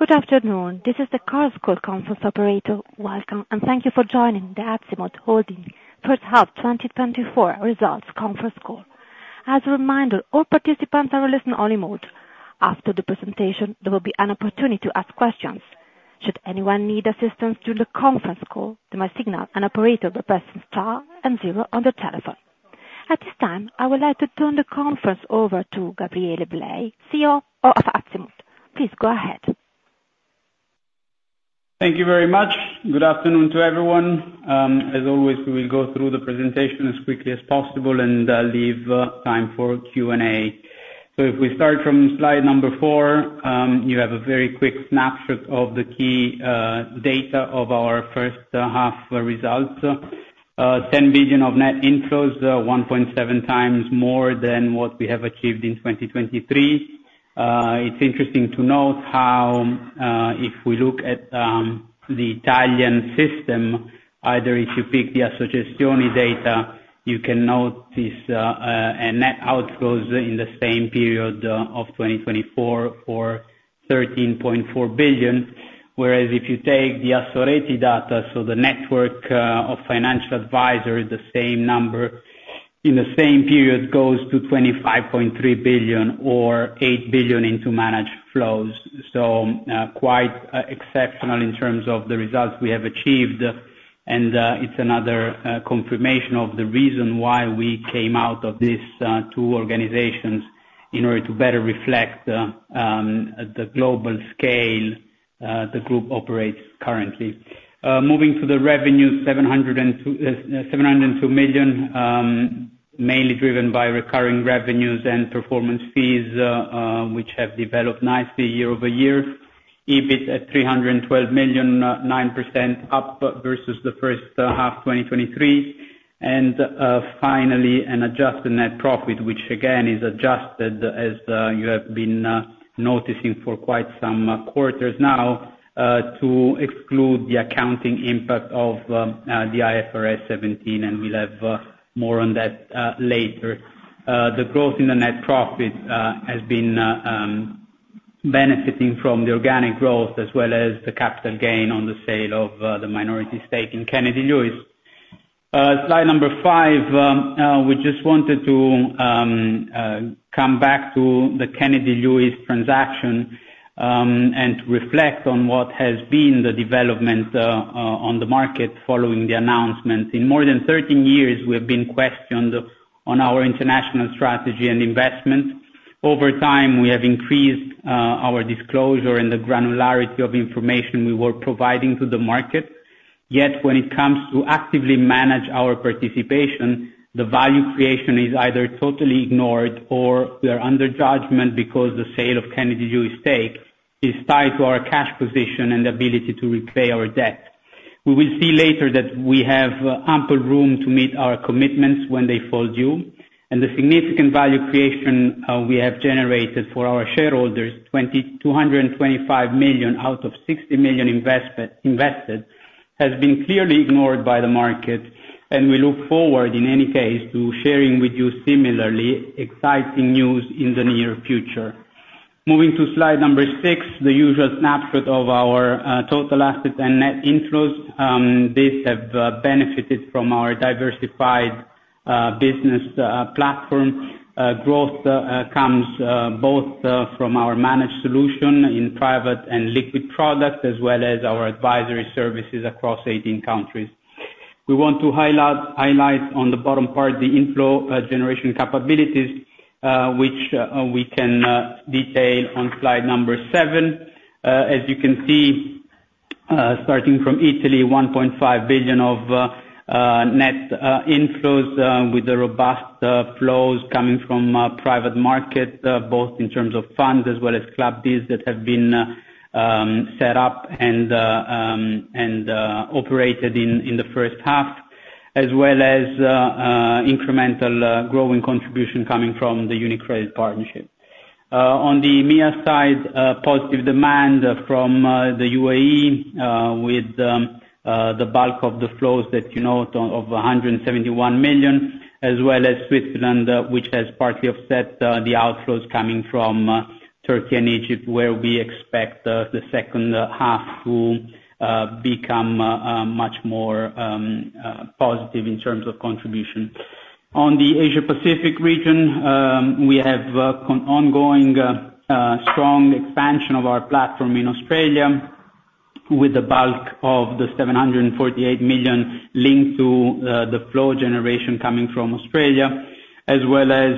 Good afternoon. This is the Chorus Call Conference Operator. Welcome, and thank you for joining the Azimut Holding First-Half 2024 Results Conference Call. As a reminder, all participants are listen-only mode. After the presentation, there will be an opportunity to ask questions. Should anyone need assistance during the conference call, they may signal an operator by pressing star and zero on their telephone. At this time, I would like to turn the conference over to Gabriele Blei, CEO of Azimut. Please go ahead. Thank you very much. Good afternoon to everyone. As always, we will go through the presentation as quickly as possible and leave time for Q&A. So if we start from slide number four, you have a very quick snapshot of the key data of our First-Half Results. 10 billion of net inflows, 1.7x more than what we have achieved in 2023. It's interesting to note how, if we look at the Italian system, either if you pick the Assogestioni data, you can note net outflows in the same period of 2024 for 13.4 billion, whereas if you take the Assoreti data, so the network of financial advisors, the same number in the same period goes to 25.3 billion or 8 billion into managed flows. So quite exceptional in terms of the results we have achieved, and it's another confirmation of the reason why we came out of these two organizations in order to better reflect the global scale the group operates currently. Moving to the revenue, 702 million, mainly driven by recurring revenues and performance fees, which have developed nicely year-over-year. EBIT at 312 million, 9% up versus the first half 2023. And finally, an adjusted net profit, which again is adjusted, as you have been noticing for quite some quarters now, to exclude the accounting impact of the IFRS 17, and we'll have more on that later. The growth in the net profit has been benefiting from the organic growth as well as the capital gain on the sale of the minority stake in Kennedy Lewis. Slide number five, we just wanted to come back to the Kennedy Lewis transaction and reflect on what has been the development on the market following the announcement. In more than 13 years, we have been questioned on our international strategy and investment. Over time, we have increased our disclosure and the granularity of information we were providing to the market. Yet when it comes to actively manage our participation, the value creation is either totally ignored or we are under judgment because the sale of Kennedy Lewis stake is tied to our cash position and ability to repay our debt. We will see later that we have ample room to meet our commitments when they fall due. The significant value creation we have generated for our shareholders, 225 million out of 60 million invested, has been clearly ignored by the market, and we look forward, in any case, to sharing with you similarly exciting news in the near future. Moving to slide six, the usual snapshot of our total assets and net inflows. These have benefited from our diversified business platform. Growth comes both from our managed solution in private and liquid products, as well as our advisory services across 18 countries. We want to highlight on the bottom part the inflow generation capabilities, which we can detail on slide seven. As you can see, starting from Italy, 1.5 billion of net inflows with the robust flows coming from private market, both in terms of funds as well as club deals that have been set up and operated in the first half, as well as incremental growing contribution coming from the UniCredit partnership. On the MEA side, positive demand from the UAE with the bulk of the flows that you note of 171 million, as well as Switzerland, which has partly offset the outflows coming from Turkey and Egypt, where we expect the second half to become much more positive in terms of contribution. On the Asia-Pacific region, we have ongoing strong expansion of our platform in Australia with the bulk of the 748 million linked to the flow generation coming from Australia, as well as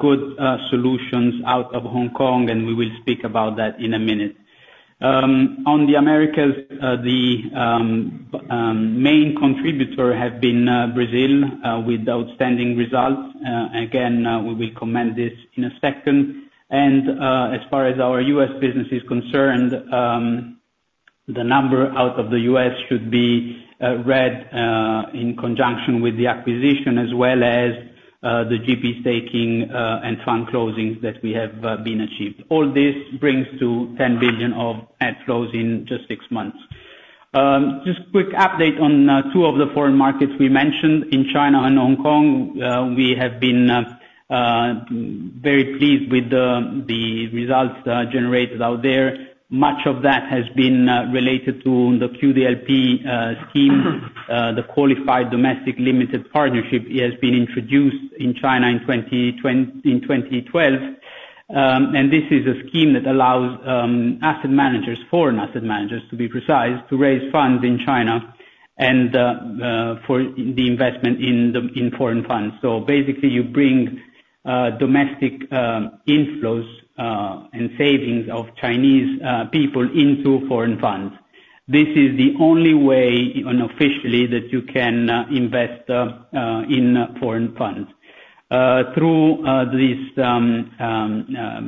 good solutions out of Hong Kong, and we will speak about that in a minute. On the Americas, the main contributor has been Brazil with outstanding results. Again, we will comment this in a second. As far as our U.S. business is concerned, the number out of the U.S. should be read in conjunction with the acquisition, as well as the GP staking and fund closings that we have been achieved. All this brings to 10 billion of net flows in just six months. Just a quick update on two of the foreign markets we mentioned, in China and Hong Kong, we have been very pleased with the results generated out there. Much of that has been related to the QDLP scheme, the Qualified Domestic Limited Partnership. It has been introduced in China in 2012, and this is a scheme that allows asset managers, foreign asset managers to be precise, to raise funds in China and for the investment in foreign funds. So basically, you bring domestic inflows and savings of Chinese people into foreign funds. This is the only way unofficially that you can invest in foreign funds. Through these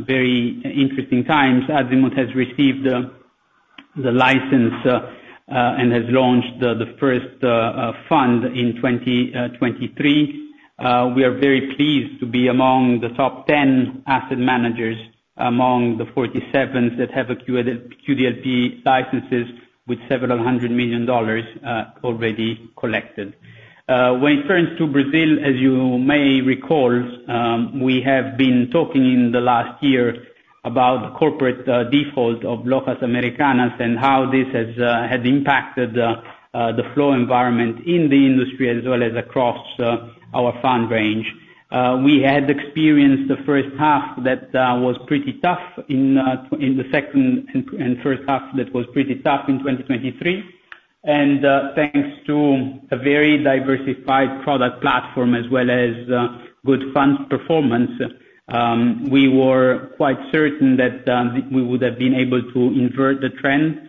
very interesting times, Azimut has received the license and has launched the first fund in 2023. We are very pleased to be among the top 10 asset managers among the 47 that have a QDLP licenses with $several hundred million already collected. When it turns to Brazil, as you may recall, we have been talking in the last year about the corporate default of Lojas Americanas and how this has impacted the flow environment in the industry as well as across our fund range. We had experienced the first half that was pretty tough in the second and first half that was pretty tough in 2023. Thanks to a very diversified product platform as well as good funds performance, we were quite certain that we would have been able to invert the trend.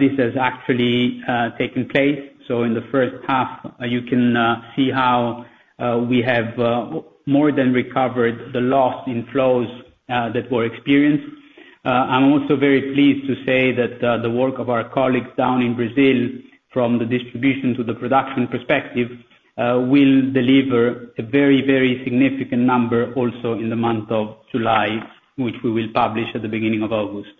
This has actually taken place. In the first half, you can see how we have more than recovered the loss in flows that were experienced. I'm also very pleased to say that the work of our colleagues down in Brazil, from the distribution to the production perspective, will deliver a very, very significant number also in the month of July, which we will publish at the beginning of August.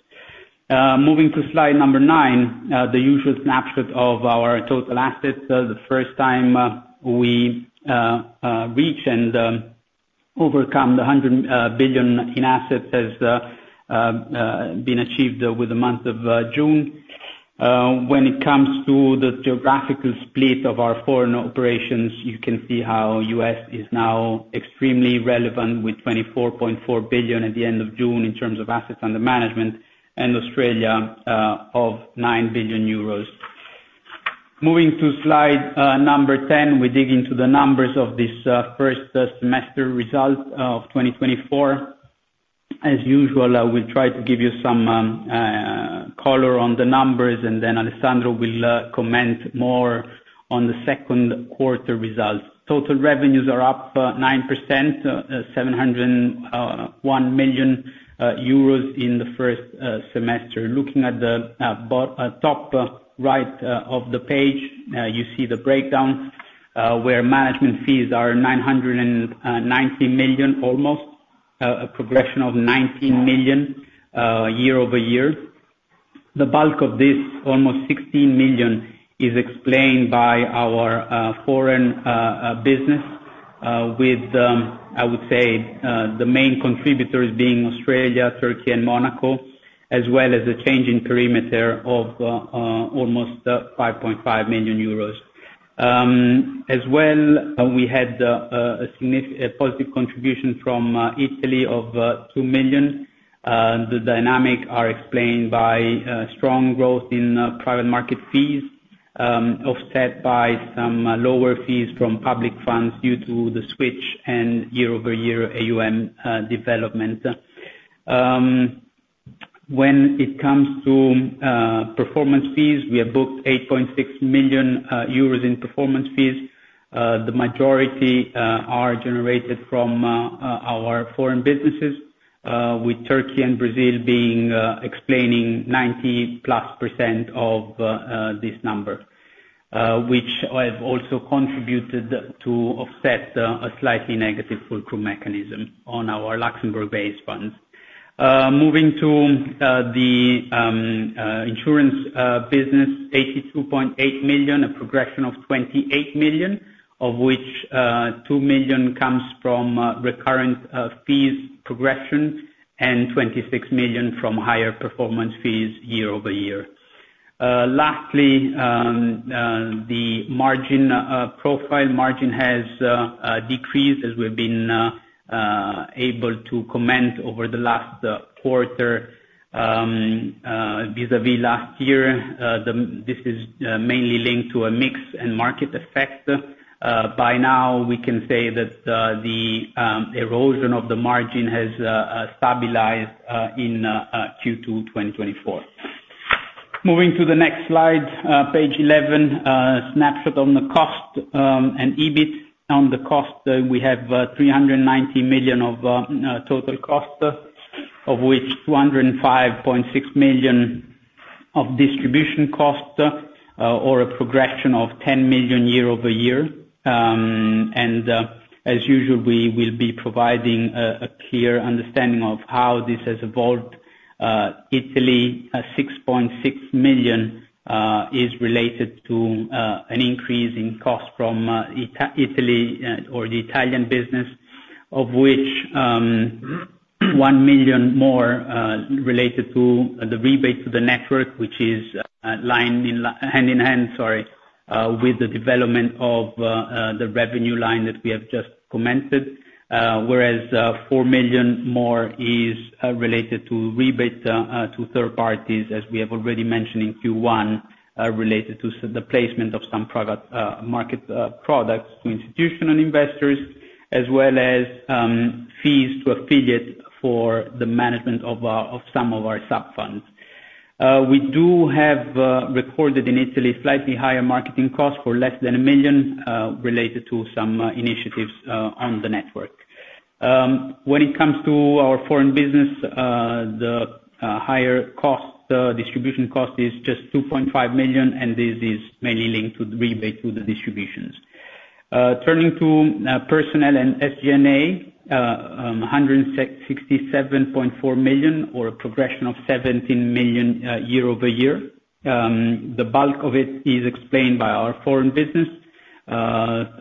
Moving to slide number nine, the usual snapshot of our total assets, the first time we reach and overcome the 100 billion in assets has been achieved with the month of June. When it comes to the geographical split of our foreign operations, you can see how the U.S. is now extremely relevant with $24.4 billion at the end of June in terms of assets under management and Australia of 9 billion euros. Moving to slide number 10, we dig into the numbers of this first semester result of 2024. As usual, I will try to give you some color on the numbers, and then Alessandro will comment more on the second quarter results. Total revenues are up 9%, 701 million euros in the first semester. Looking at the top right of the page, you see the breakdown where management fees are 990 million, almost a progression of 19 million year-over-year. The bulk of this, almost 16 million, is explained by our foreign business, with, I would say, the main contributors being Australia, Turkey, and Monaco, as well as a changing perimeter of almost 5.5 million euros. As well, we had a significant positive contribution from Italy of 2 million. The dynamic is explained by strong growth in private market fees, offset by some lower fees from public funds due to the switch and year-over-year AUM development. When it comes to performance fees, we have booked 8.6 million euros in performance fees. The majority are generated from our foreign businesses, with Turkey and Brazil being explaining 90+% of this number, which have also contributed to offset a slightly negative Fulcrum mechanism on our Luxembourg-based funds. Moving to the insurance business, 82.8 million, a progression of 28 million, of which 2 million comes from recurrent fees progression and 26 million from higher performance fees year-over-year. Lastly, the margin profile margin has decreased, as we've been able to comment over the last quarter vis-à-vis last year. This is mainly linked to a mix and market effect. By now, we can say that the erosion of the margin has stabilized in Q2 2024. Moving to the next slide, page 11, snapshot on the cost and EBIT. On the cost, we have 390 million of total cost, of which 205.6 million of distribution cost, or a progression of 10 million year-over-year. And as usual, we will be providing a clear understanding of how this has evolved. Italy, 6.6 million is related to an increase in cost from Italy or the Italian business, of which 1 million more related to the rebate to the network, which is lined hand in hand, sorry, with the development of the revenue line that we have just commented, whereas 4 million more is related to rebate to third parties, as we have already mentioned in Q1, related to the placement of some market products to institutional investors, as well as fees to affiliate for the management of some of our sub-funds. We do have recorded in Italy slightly higher marketing costs for less than 1 million related to some initiatives on the network. When it comes to our foreign business, the higher distribution cost is just 2.5 million, and this is mainly linked to the rebate to the distributions. Turning to personnel and SG&A, 167.4 million or a progression of 17 million year-over-year. The bulk of it is explained by our foreign business,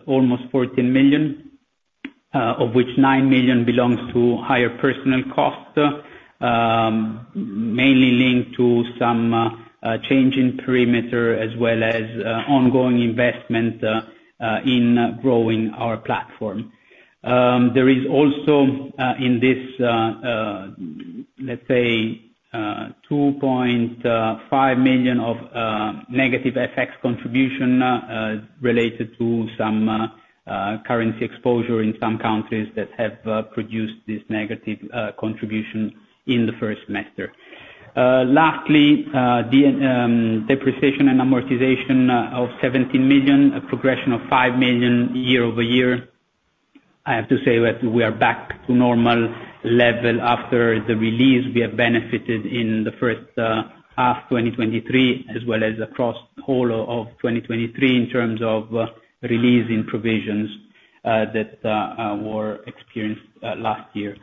almost 14 million, of which 9 million belongs to higher personnel cost, mainly linked to some change in perimeter as well as ongoing investment in growing our platform. There is also in this, let's say, 2.5 million of negative effects contribution related to some currency exposure in some countries that have produced this negative contribution in the first semester. Lastly, depreciation and amortization of 17 million, a progression of 5 million year-over-year. I have to say that we are back to normal level after the release. We have benefited in the first half 2023, as well as across the whole of 2023 in terms of releasing provisions that were experienced last year.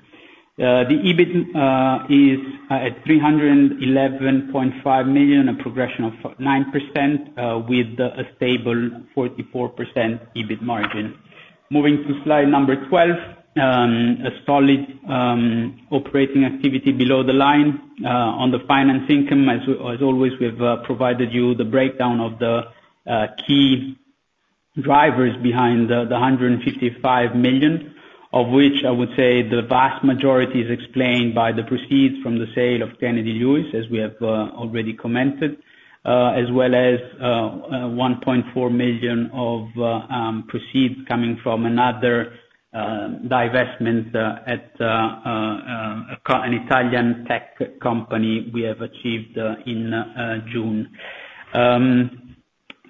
The EBIT is at 311.5 million, a progression of 9% with a stable 44% EBIT margin. Moving to slide 12, a solid operating activity below the line. On the finance income, as always, we have provided you the breakdown of the key drivers behind the 155 million, of which I would say the vast majority is explained by the proceeds from the sale of Kennedy Lewis, as we have already commented, as well as 1.4 million of proceeds coming from another divestment at an Italian tech company we have achieved in June.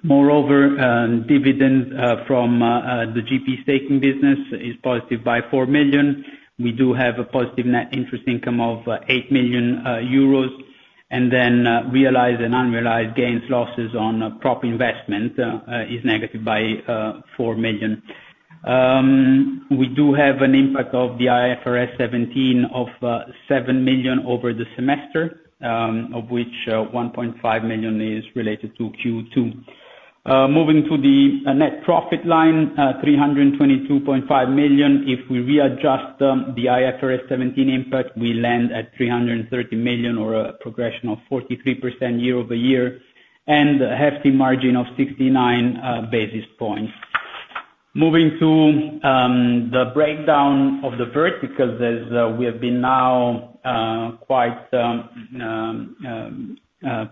Moreover, dividend from the GP staking business is positive by 4 million. We do have a positive net interest income of 8 million euros. And then realized and unrealized gains, losses on prop investment is negative by 4 million. We do have an impact of the IFRS 17 of 7 million over the semester, of which 1.5 million is related to Q2. Moving to the net profit line, 322.5 million. If we readjust the IFRS 17 impact, we land at 330 million or a progression of 43% year-over-year and a hefty margin of 69 basis points. Moving to the breakdown of the verticals, as we have been now quite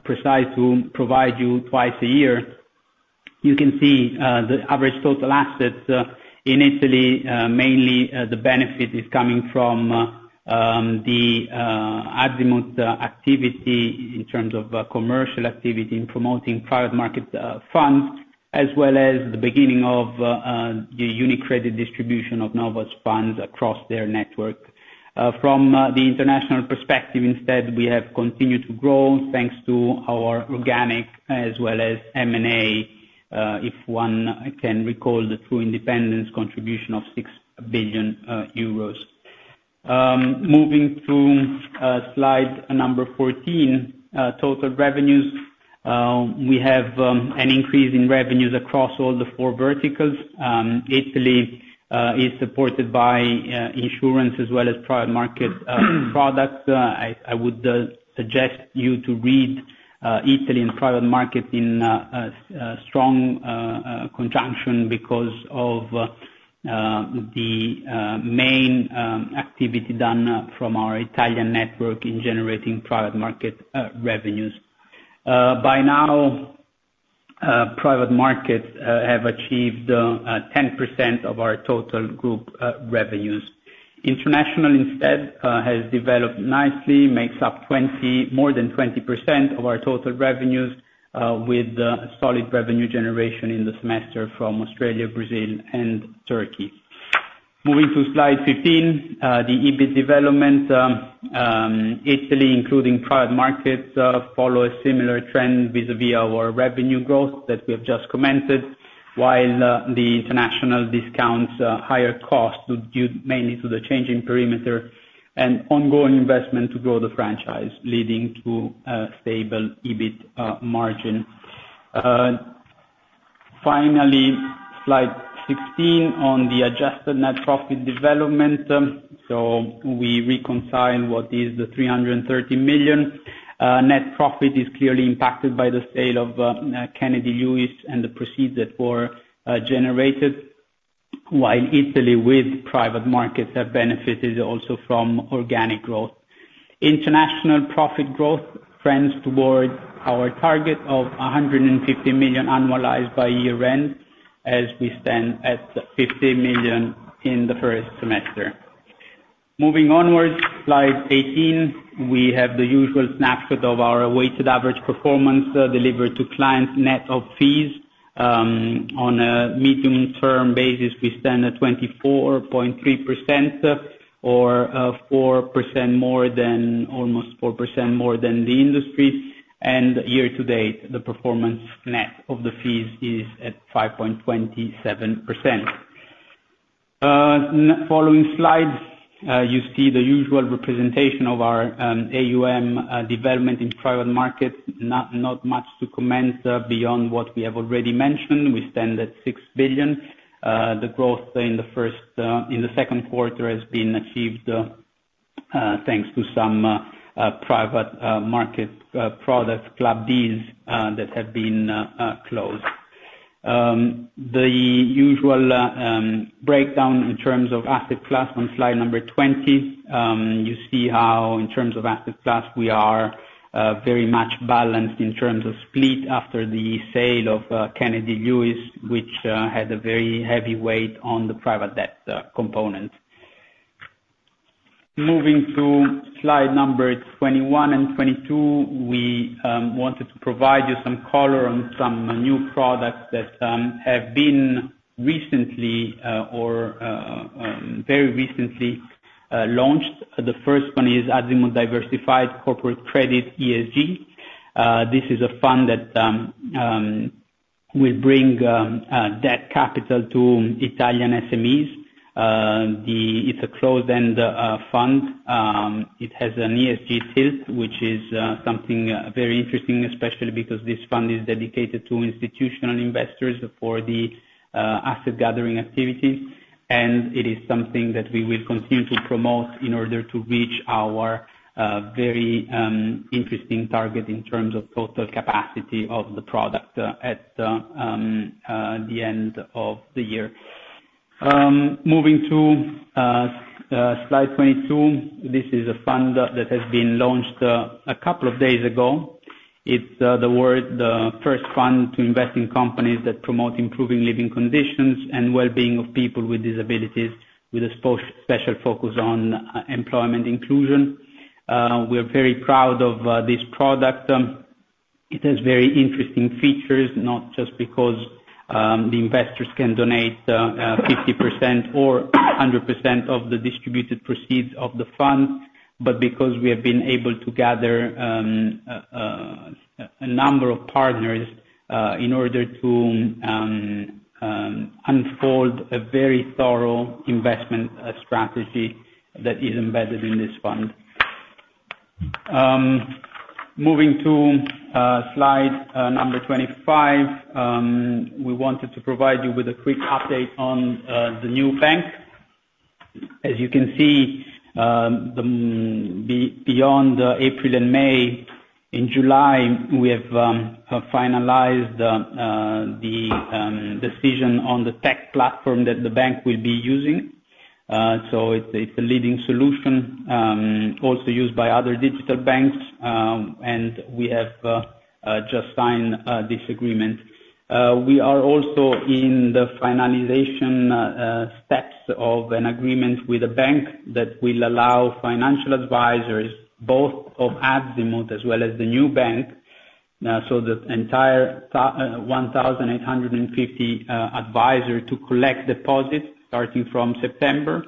precise to provide you twice a year, you can see the average total assets in Italy, mainly the benefit is coming from the Azimut activity in terms of commercial activity in promoting private market funds, as well as the beginning of the UniCredit distribution of Nova Funds across their network. From the international perspective, instead, we have continued to grow thanks to our organic as well as M&A, if one can recall the Tru Independence contribution of 6 billion euros. Moving to slide number 14, total revenues, we have an increase in revenues across all the four verticals. Italy is supported by insurance as well as private market products. I would suggest you to read Italy and private markets in strong conjunction because of the main activity done from our Italian network in generating private market revenues. By now, private markets have achieved 10% of our total group revenues. International, instead, has developed nicely, makes up more than 20% of our total revenues with solid revenue generation in the semester from Australia, Brazil, and Turkey. Moving to slide 15, the EBIT development. Italy, including private markets, follow a similar trend vis-à-vis our revenue growth that we have just commented, while the international discounts higher cost due mainly to the changing perimeter and ongoing investment to grow the franchise, leading to a stable EBIT margin. Finally, slide 16 on the adjusted net profit development. So we reconcile what is the 330 million net profit is clearly impacted by the sale of Kennedy Lewis and the proceeds that were generated, while Italy with private markets have benefited also from organic growth. International profit growth trends towards our target of 150 million annualized by year-end, as we stand at 15 million in the first semester. Moving onwards, slide 18, we have the usual snapshot of our weighted average performance delivered to clients net of fees. On a medium-term basis, we stand at 24.3% or almost 4% more than the industry. Year-to-date, the performance net of the fees is at 5.27%. On the following slides, you see the usual representation of our AUM development in private markets. Not much to comment beyond what we have already mentioned. We stand at 6 billion. The growth in the second quarter has been achieved thanks to some private market products, club deals, that have been closed. The usual breakdown in terms of asset class on slide 20, you see how in terms of asset class we are very much balanced in terms of split after the sale of Kennedy Lewis, which had a very heavy weight on the private debt component. Moving to slides 21 and 22, we wanted to provide you some color on some new products that have been recently or very recently launched. The first one is Azimut Diversified Corporate Credit ESG. This is a fund that will bring debt capital to Italian SMEs. It's a closed-end fund. It has an ESG tilt, which is something very interesting, especially because this fund is dedicated to institutional investors for the asset gathering activities. It is something that we will continue to promote in order to reach our very interesting target in terms of total capacity of the product at the end of the year. Moving to slide 22, this is a fund that has been launched a couple of days ago. It's the first fund to invest in companies that promote improving living conditions and well-being of people with disabilities, with a special focus on employment inclusion. We are very proud of this product. It has very interesting features, not just because the investors can donate 50% or 100% of the distributed proceeds of the fund, but because we have been able to gather a number of partners in order to unfold a very thorough investment strategy that is embedded in this fund. Moving to slide number 25, we wanted to provide you with a quick update on the new bank. As you can see, beyond April and May, in July, we have finalized the decision on the tech platform that the bank will be using. So it's a leading solution, also used by other digital banks, and we have just signed this agreement. We are also in the finalization steps of an agreement with a bank that will allow financial advisors, both of Azimut as well as the new bank, so the entire 1,850 advisors to collect deposits starting from September,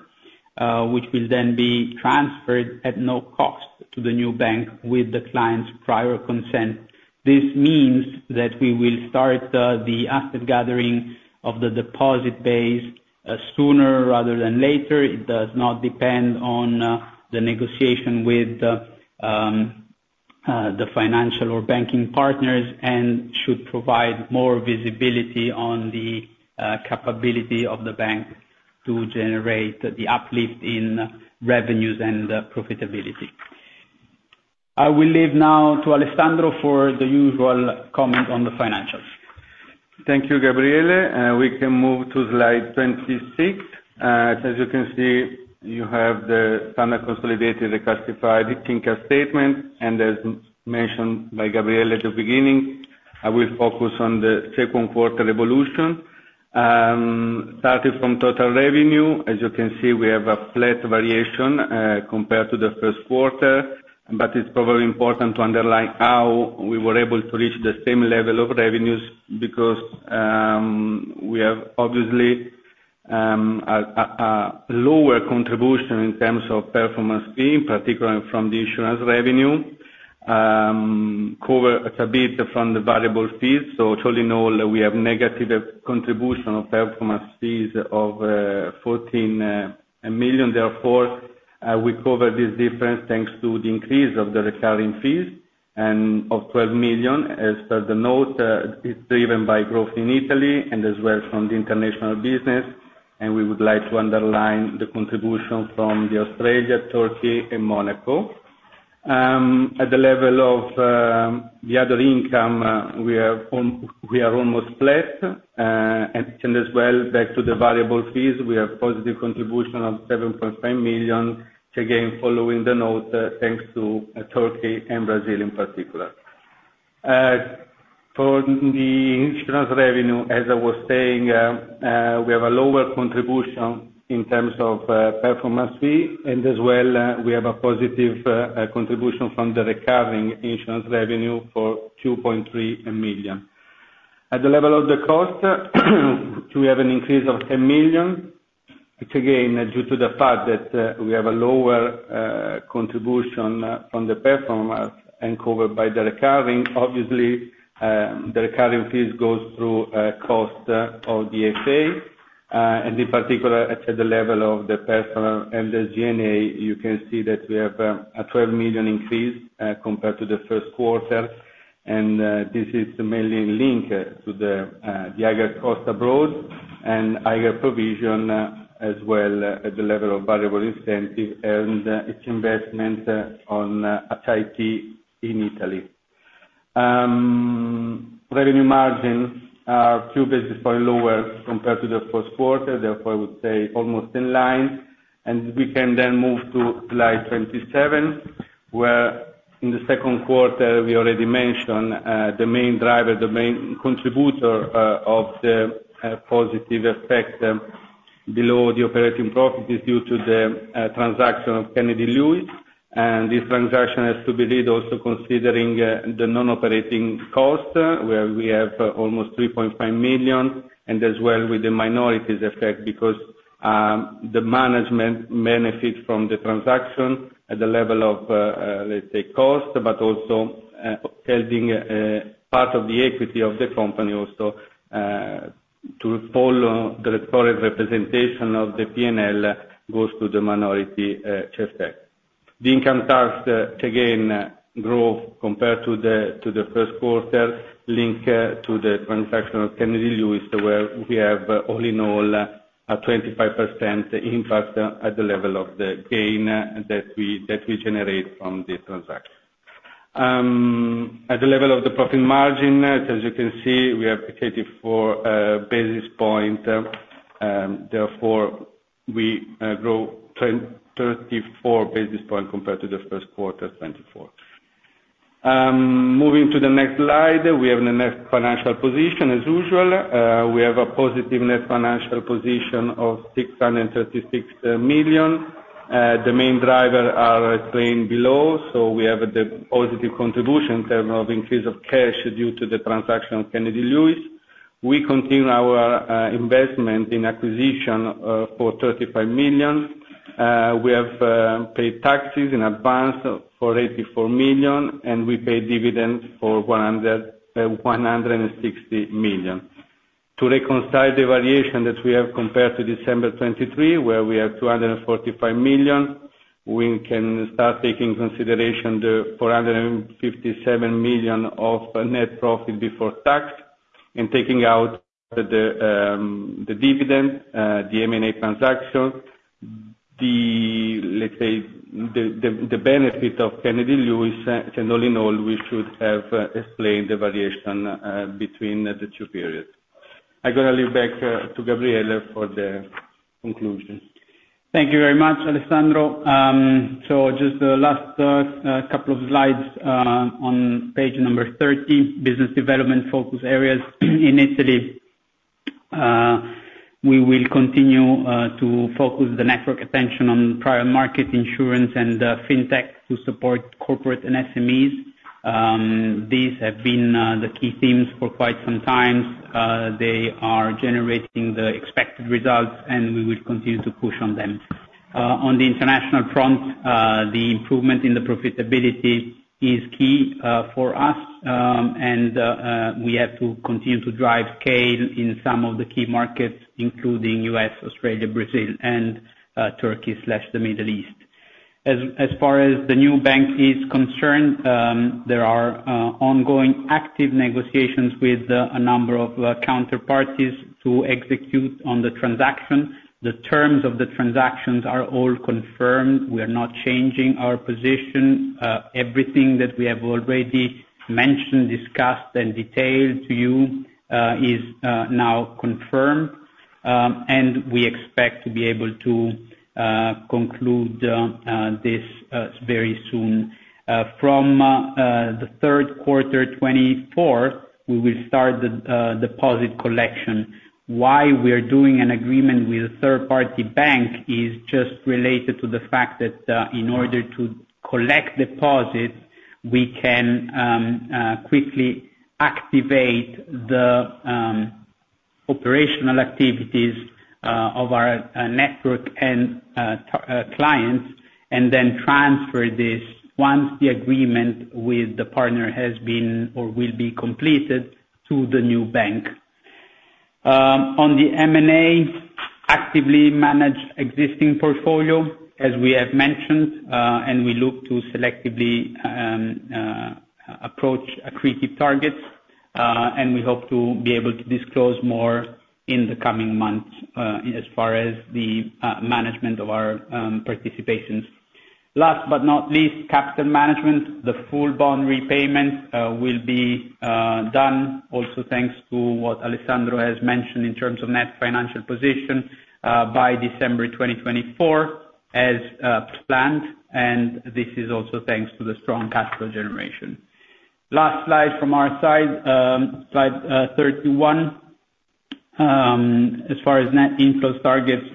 which will then be transferred at no cost to the new bank with the client's prior consent. This means that we will start the asset gathering of the deposit base sooner rather than later. It does not depend on the negotiation with the financial or banking partners and should provide more visibility on the capability of the bank to generate the uplift in revenues and profitability. I will leave now to Alessandro for the usual comment on the financials. Thank you, Gabriele. We can move to slide 26. As you can see, you have the final consolidated reclassified Income statement and as mentioned by Gabriele at the beginning, I will focus on the second quarter evolution. Starting from total revenue, as you can see, we have a flat variation compared to the first quarter, but it's probably important to underline how we were able to reach the same level of revenues because we have obviously a lower contribution in terms of performance fee, particularly from the insurance revenue. Covered a bit from the variable fees. So all in all, we have negative contribution of performance fees of 14 million. Therefore, we cover this difference thanks to the increase of the recurring fees of 12 million. As per the note, it's driven by growth in Italy and as well from the international business, and we would like to underline the contribution from Australia, Turkey, and Monaco. At the level of the other income, we are almost flat. And as well, back to the variable fees, we have positive contribution of 7.5 million, again following the note thanks to Turkey and Brazil in particular. For the insurance revenue, as I was saying, we have a lower contribution in terms of performance fee, and as well, we have a positive contribution from the recurring insurance revenue for 2.3 million. At the level of the cost, we have an increase of 10 million, which again, due to the fact that we have a lower contribution from the performance and covered by the recurring. Obviously, the recurring fees go through cost of the FA, and in particular, at the level of the personnel and the SG&A, you can see that we have a 12 million increase compared to the first quarter. This is mainly linked to the higher cost abroad and higher provision as well at the level of variable incentive and its investment on HIT in Italy. Revenue margins are a few basis points lower compared to the first quarter. Therefore, I would say almost in line. We can then move to slide 27, where in the second quarter, we already mentioned the main driver, the main contributor of the positive effect below the operating profit is due to the transaction of Kennedy Lewis. This transaction has to be read also considering the non-operating cost, where we have almost 3.5 million, and as well with the minorities effect because the management benefits from the transaction at the level of, let's say, cost, but also holding part of the equity of the company also to follow the reported representation of the P&L goes to the minority effect. The income tax again grew compared to the first quarter, linked to the transaction of Kennedy Lewis, where we have all in all a 25% impact at the level of the gain that we generate from the transaction. At the level of the profit margin, as you can see, we have a 34 basis point. Therefore, we grew 34 basis points compared to the first quarter of 2024. Moving to the next slide, we have the net financial position. As usual, we have a positive net financial position of 636 million. The main driver is explained below. So we have the positive contribution in terms of increase of cash due to the transaction of Kennedy Lewis. We continue our investment in acquisition for 35 million. We have paid taxes in advance for 84 million, and we paid dividends for 160 million. To reconcile the variation that we have compared to December 2023, where we have 245 million, we can start taking consideration the 457 million of net profit before tax and taking out the dividend, the M&A transaction, the benefit of Kennedy Lewis. And all in all, we should have explained the variation between the two periods. I'm going to leave back to Gabriele for the conclusion. Thank you very much, Alessandro. So just the last couple of slides on page number 30, business development focus areas in Italy. We will continue to focus the network attention on private market insurance and fintech to support corporate and SMEs. These have been the key themes for quite some time. They are generating the expected results, and we will continue to push on them. On the international front, the improvement in the profitability is key for us, and we have to continue to drive scale in some of the key markets, including U.S., Australia, Brazil, and Turkey/the Middle East. As far as the new bank is concerned, there are ongoing active negotiations with a number of counterparties to execute on the transaction. The terms of the transactions are all confirmed. We are not changing our position. Everything that we have already mentioned, discussed, and detailed to you is now confirmed, and we expect to be able to conclude this very soon. From the third quarter 2024, we will start the deposit collection. Why we are doing an agreement with a third-party bank is just related to the fact that in order to collect deposits, we can quickly activate the operational activities of our network and clients and then transfer this once the agreement with the partner has been or will be completed to the new bank. On the M&A, actively manage existing portfolio, as we have mentioned, and we look to selectively approach accretive targets. We hope to be able to disclose more in the coming months as far as the management of our participations. Last but not least, capital management, the full bond repayment will be done also thanks to what Alessandro has mentioned in terms of net financial position by December 2024 as planned, and this is also thanks to the strong capital generation. Last slide from our side, slide 31. As far as net inflow targets,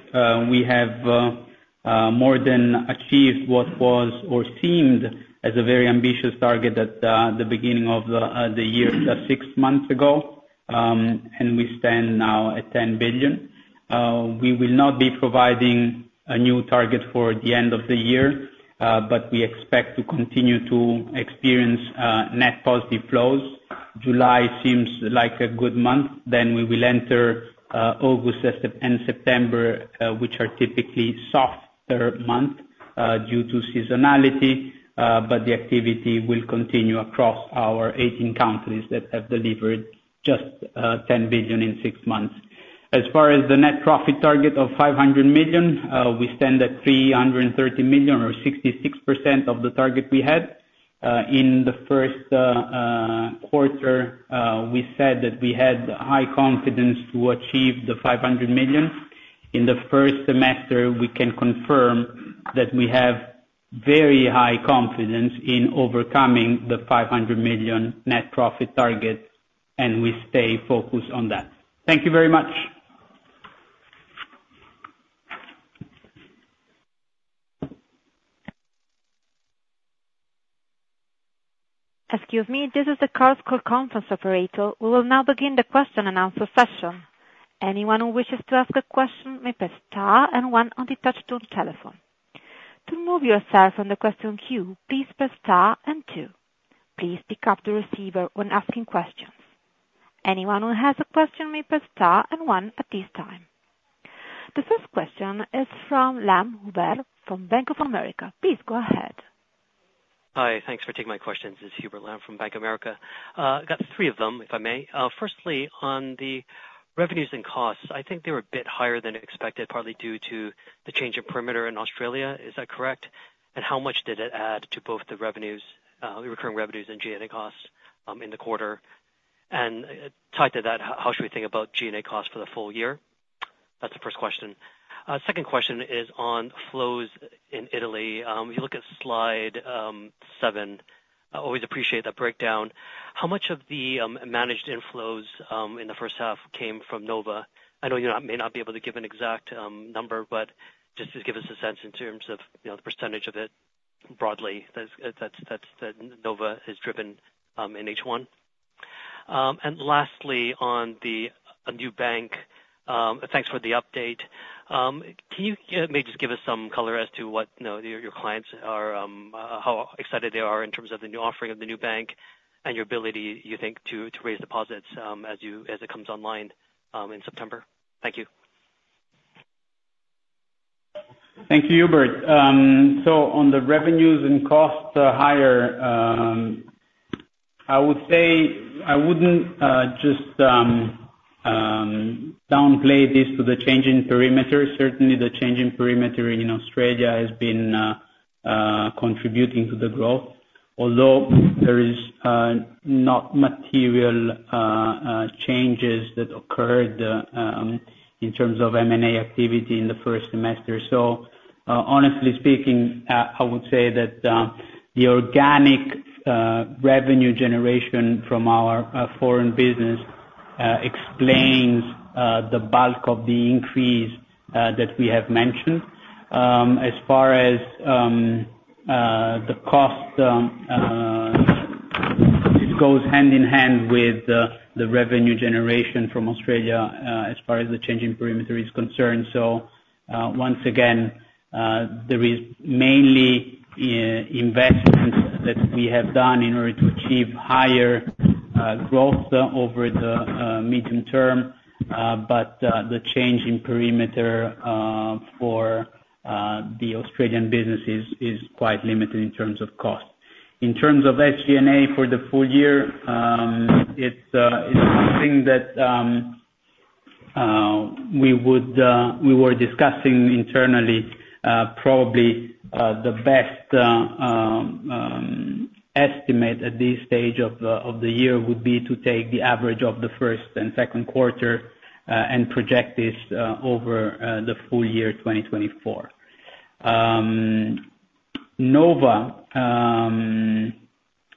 we have more than achieved what was or seemed as a very ambitious target at the beginning of the year just six months ago, and we stand now at 10 billion. We will not be providing a new target for the end of the year, but we expect to continue to experience net positive flows. July seems like a good month. Then we will enter August and September, which are typically softer months due to seasonality, but the activity will continue across our 18 countries that have delivered just 10 billion in six months. As far as the net profit target of 500 million, we stand at 330 million or 66% of the target we had. In the first quarter, we said that we had high confidence to achieve the 500 million. In the first semester, we can confirm that we have very high confidence in overcoming the 500 million net profit target, and we stay focused on that. Thank you very much. Excuse me, this is the Chorus Call Conference Operator. We will now begin the question and answer session. Anyone who wishes to ask a question may press star and one on the touch to the telephone. To remove yourself from the question queue, please press star and two. Please pick up the receiver when asking questions. Anyone who has a question may press star and one at this time. The first question is from Hubert Lam from Bank of America. Please go ahead. Hi, thanks for taking my questions. It's Hubert Lam from Bank of America. I've got three of them, if I may. Firstly, on the revenues and costs, I think they were a bit higher than expected, partly due to the change in perimeter in Australia. Is that correct? And how much did it add to both the revenues, the recurring revenues and G&A costs in the quarter? And tied to that, how should we think about G&A costs for the full year? That's the first question. Second question is on flows in Italy. If you look at slide seven, always appreciate that breakdown. How much of the managed inflows in the first half came from Nova? I know you may not be able to give an exact number, but just to give us a sense in terms of the percentage of it broadly that Nova has driven in H1. Lastly, on the new bank, thanks for the update. Can you maybe just give us some color as to what your clients are, how excited they are in terms of the new offering of the new bank and your ability, you think, to raise deposits as it comes online in September? Thank you. Thank you, Huber. So on the revenues and costs higher, I would say I wouldn't just downplay this to the changing perimeter. Certainly, the changing perimeter in Australia has been contributing to the growth, although there are not material changes that occurred in terms of M&A activity in the first semester. So honestly speaking, I would say that the organic revenue generation from our foreign business explains the bulk of the increase that we have mentioned. As far as the cost, it goes hand in hand with the revenue generation from Australia as far as the changing perimeter is concerned. So once again, there is mainly investment that we have done in order to achieve higher growth over the medium term, but the change in perimeter for the Australian business is quite limited in terms of cost. In terms of SG&A for the full year, it's something that we were discussing internally. Probably the best estimate at this stage of the year would be to take the average of the first and second quarter and project this over the full year 2024. Nova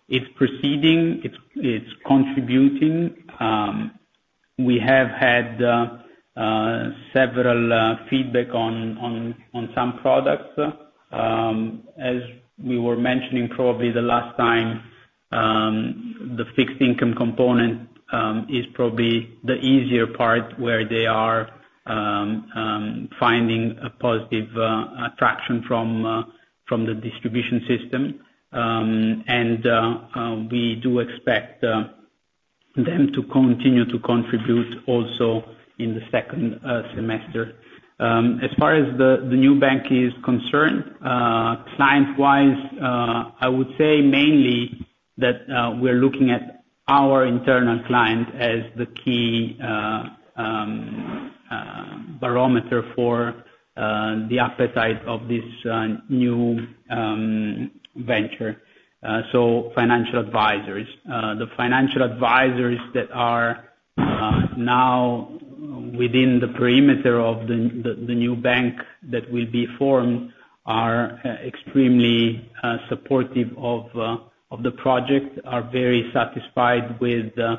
is proceeding. It's contributing. We have had several feedback on some products. As we were mentioning probably the last time, the fixed income component is probably the easier part where they are finding a positive attraction from the distribution system. And we do expect them to continue to contribute also in the second semester. As far as the new bank is concerned, client-wise, I would say mainly that we're looking at our internal client as the key barometer for the appetite of this new venture. So financial advisors. The financial advisors that are now within the perimeter of the new bank that will be formed are extremely supportive of the project, are very satisfied with the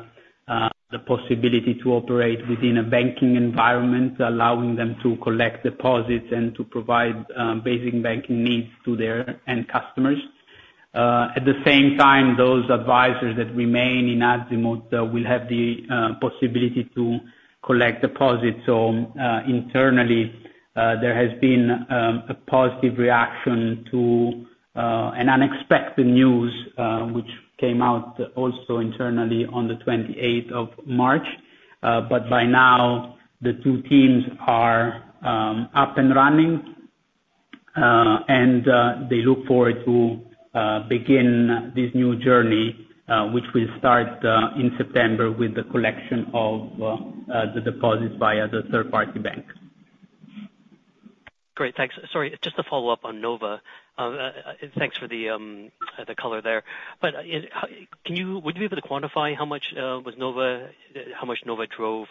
possibility to operate within a banking environment, allowing them to collect deposits and to provide basic banking needs to their end customers. At the same time, those advisors that remain in Azimut will have the possibility to collect deposits. Internally, there has been a positive reaction to an unexpected news, which came out also internally on the 28th of March. By now, the two teams are up and running, and they look forward to begin this new journey, which will start in September with the collection of the deposits via the third-party bank. Great. Thanks. Sorry, just to follow up on Nova. Thanks for the color there. But would you be able to quantify how much Nova drove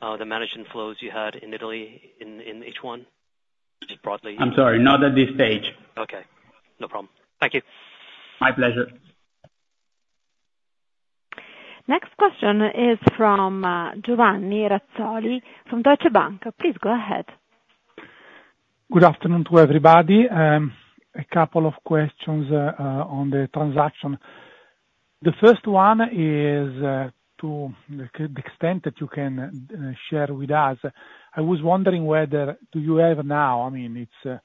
the managed inflows you had in Italy in H1? Just broadly. I'm sorry, not at this stage. Okay. No problem. Thank you. My pleasure. Next question is from Giovanni Razzoli from Deutsche Bank. Please go ahead. Good afternoon to everybody. A couple of questions on the transaction. The first one is to the extent that you can share with us, I was wondering whether do you have now, I mean, it's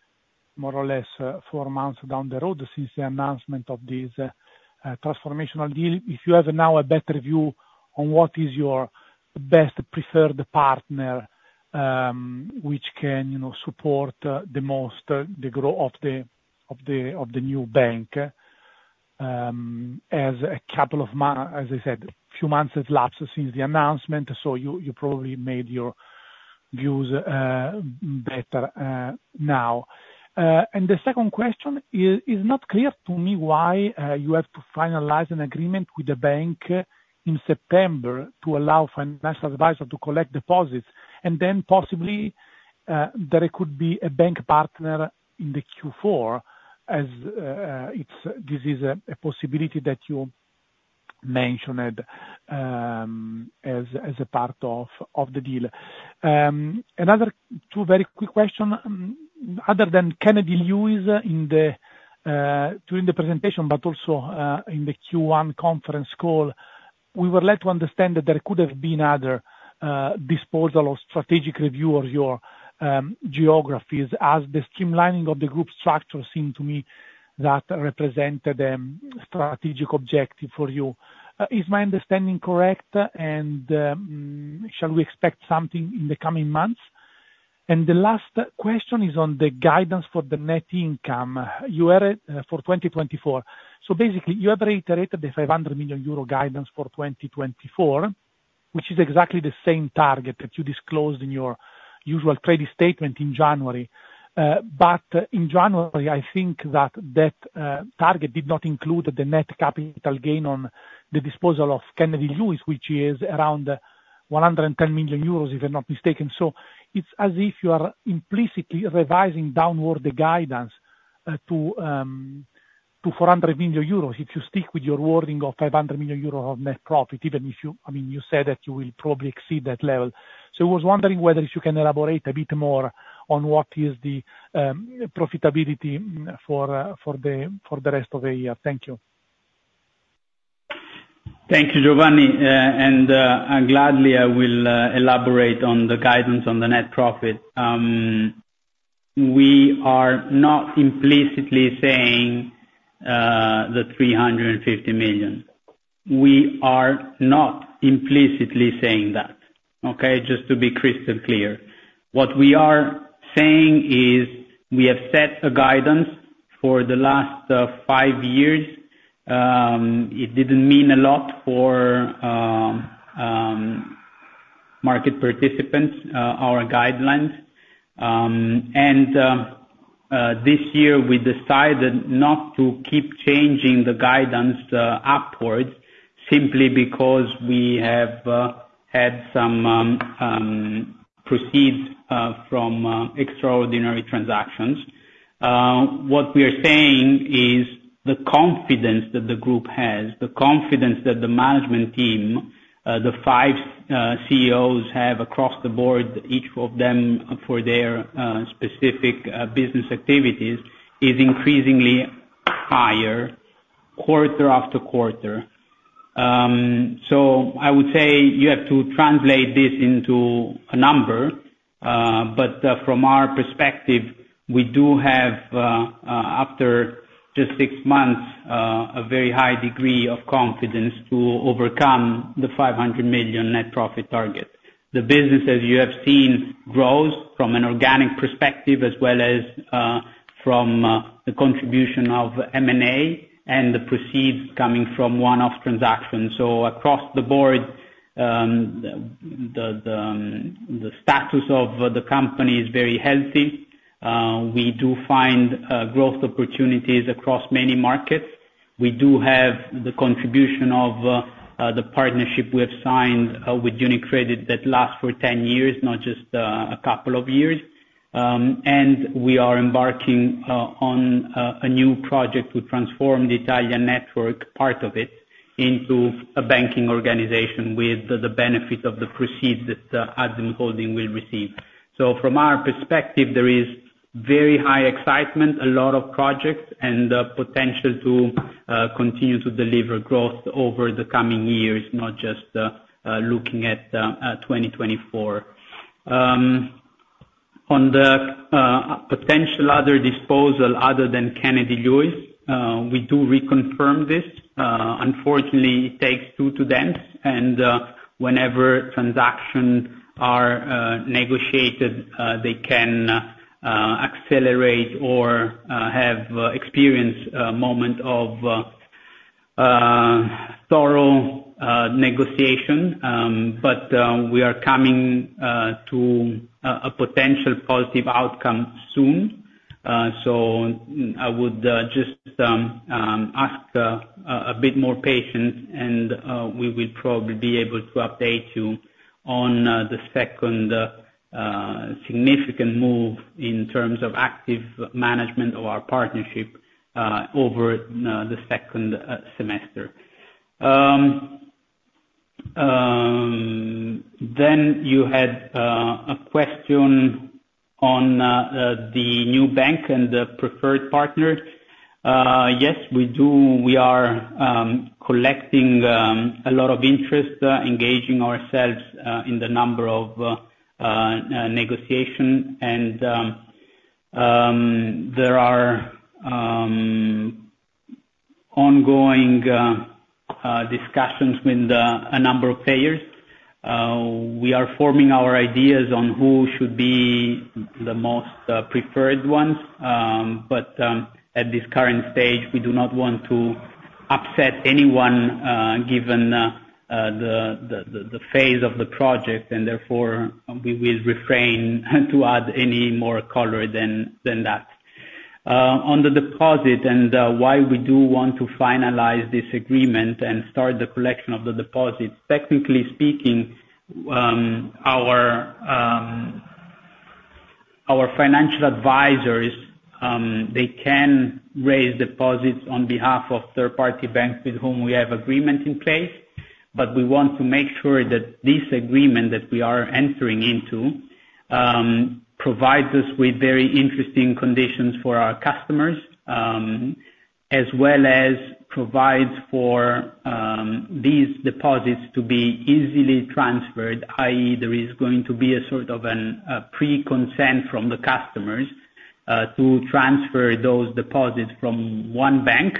more or less four months down the road since the announcement of this transformational deal, if you have now a better view on what is your best preferred partner which can support the most the growth of the new bank. As a couple of months, as I said, a few months have elapsed since the announcement, so you probably made your views better now. The second question is not clear to me why you have to finalize an agreement with the bank in September to allow financial advisor to collect deposits, and then possibly there could be a bank partner in the Q4, as this is a possibility that you mentioned as a part of the deal. Another two very quick questions. Other than Kennedy Lewis during the presentation, but also in the Q1 conference call, we were led to understand that there could have been other disposal or strategic review of your geographies, as the streamlining of the group structure seemed to me that represented a strategic objective for you. Is my understanding correct, and shall we expect something in the coming months? The last question is on the guidance for the net income for 2024. So basically, you have reiterated the 500 million euro guidance for 2024, which is exactly the same target that you disclosed in your usual credit statement in January. But in January, I think that that target did not include the net capital gain on the disposal of Kennedy Lewis, which is around 110 million euros, if I'm not mistaken. So it's as if you are implicitly revising downward the guidance to 400 million euros if you stick with your wording of 500 million euros of net profit, even if you, I mean, you said that you will probably exceed that level. So I was wondering whether if you can elaborate a bit more on what is the profitability for the rest of the year. Thank you. Thank you, Giovanni. And gladly, I will elaborate on the guidance on the net profit. We are not implicitly saying the 350 million. We are not implicitly saying that, okay? Just to be crystal clear. What we are saying is we have set a guidance for the last five years. It didn't mean a lot for market participants, our guidelines. And this year, we decided not to keep changing the guidance upward simply because we have had some proceeds from extraordinary transactions. What we are saying is the confidence that the group has, the confidence that the management team, the five CEOs have across the board, each of them for their specific business activities, is increasingly higher quarter after quarter. So I would say you have to translate this into a number, but from our perspective, we do have, after just six months, a very high degree of confidence to overcome the 500 million net profit target. The business, as you have seen, grows from an organic perspective as well as from the contribution of M&A and the proceeds coming from one-off transactions. So across the board, the status of the company is very healthy. We do find growth opportunities across many markets. We do have the contribution of the partnership we have signed with UniCredit that lasts for 10 years, not just a couple of years. And we are embarking on a new project to transform the Italian network, part of it, into a banking organization with the benefit of the proceeds that Azimut Holding will receive. So from our perspective, there is very high excitement, a lot of projects, and the potential to continue to deliver growth over the coming years, not just looking at 2024. On the potential other disposal other than Kennedy Lewis, we do reconfirm this. Unfortunately, it takes two to tango, and whenever transactions are negotiated, they can accelerate or have an extended moment of thorough negotiation. But we are coming to a potential positive outcome soon. So I would just ask a bit more patience, and we will probably be able to update you on the second significant move in terms of active management of our partnership over the second semester. Then you had a question on the new bank and the preferred partner. Yes, we do. We are collecting a lot of interest, engaging ourselves in a number of negotiations, and there are ongoing discussions with a number of players. We are forming our ideas on who should be the most preferred ones. But at this current stage, we do not want to upset anyone given the phase of the project, and therefore, we will refrain to add any more color than that. On the deposit and why we do want to finalize this agreement and start the collection of the deposits. Technically speaking, our financial advisors, they can raise deposits on behalf of third-party banks with whom we have agreement in place. But we want to make sure that this agreement that we are entering into provides us with very interesting conditions for our customers, as well as provides for these deposits to be easily transferred, i.e., there is going to be a sort of a pre-consent from the customers to transfer those deposits from one bank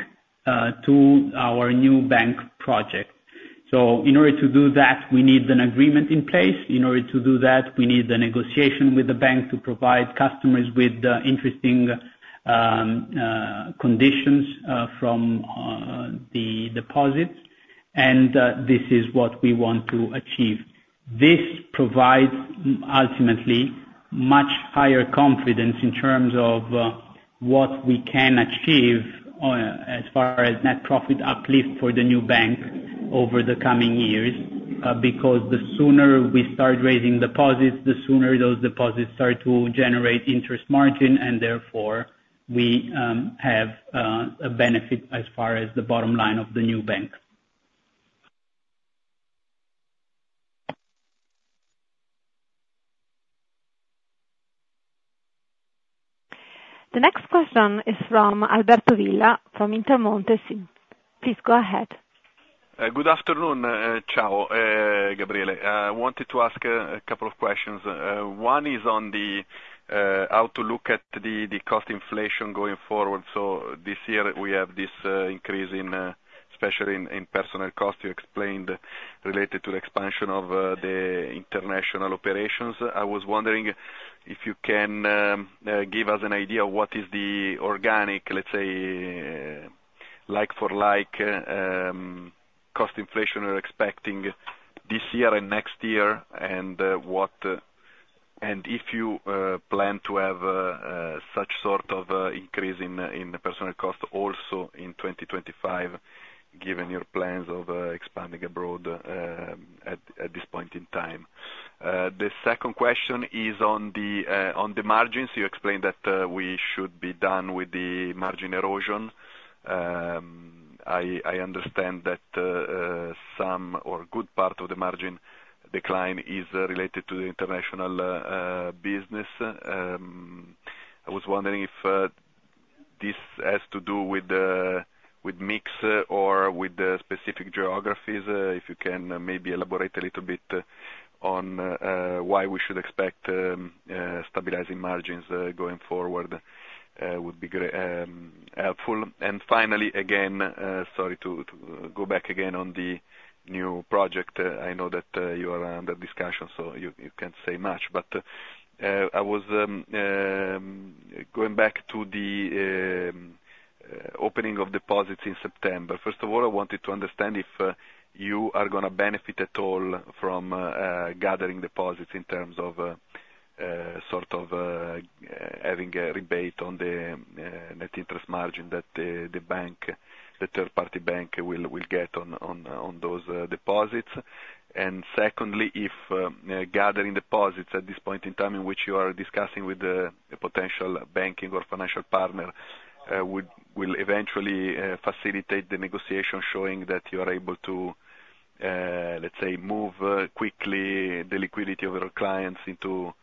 to our new bank project. So in order to do that, we need an agreement in place. In order to do that, we need the negotiation with the bank to provide customers with interesting conditions from the deposits. And this is what we want to achieve. This provides, ultimately, much higher confidence in terms of what we can achieve as far as net profit uplift for the new bank over the coming years, because the sooner we start raising deposits, the sooner those deposits start to generate interest margin, and therefore, we have a benefit as far as the bottom line of the new bank. The next question is from Alberto Villa from Intermonte. Please go ahead. Good afternoon. Ciao, Gabriele. I wanted to ask a couple of questions. One is on how to look at the cost inflation going forward. So this year, we have this increase in, especially in personnel cost, you explained related to the expansion of the international operations. I was wondering if you can give us an idea of what is the organic, let's say, like-for-like cost inflation we're expecting this year and next year, and if you plan to have such sort of increase in personnel cost also in 2025, given your plans of expanding abroad at this point in time. The second question is on the margins. You explained that we should be done with the margin erosion. I understand that some or a good part of the margin decline is related to the international business. I was wondering if this has to do with mix or with specific geographies. If you can maybe elaborate a little bit on why we should expect stabilizing margins going forward would be helpful. Finally, again, sorry to go back again on the new project. I know that you are under discussion, so you can't say much. I was going back to the opening of deposits in September. First of all, I wanted to understand if you are going to benefit at all from gathering deposits in terms of sort of having a rebate on the net interest margin that the third-party bank will get on those deposits. And secondly, if gathering deposits at this point in time in which you are discussing with a potential banking or financial partner will eventually facilitate the negotiation, showing that you are able to, let's say, move quickly the liquidity of your clients into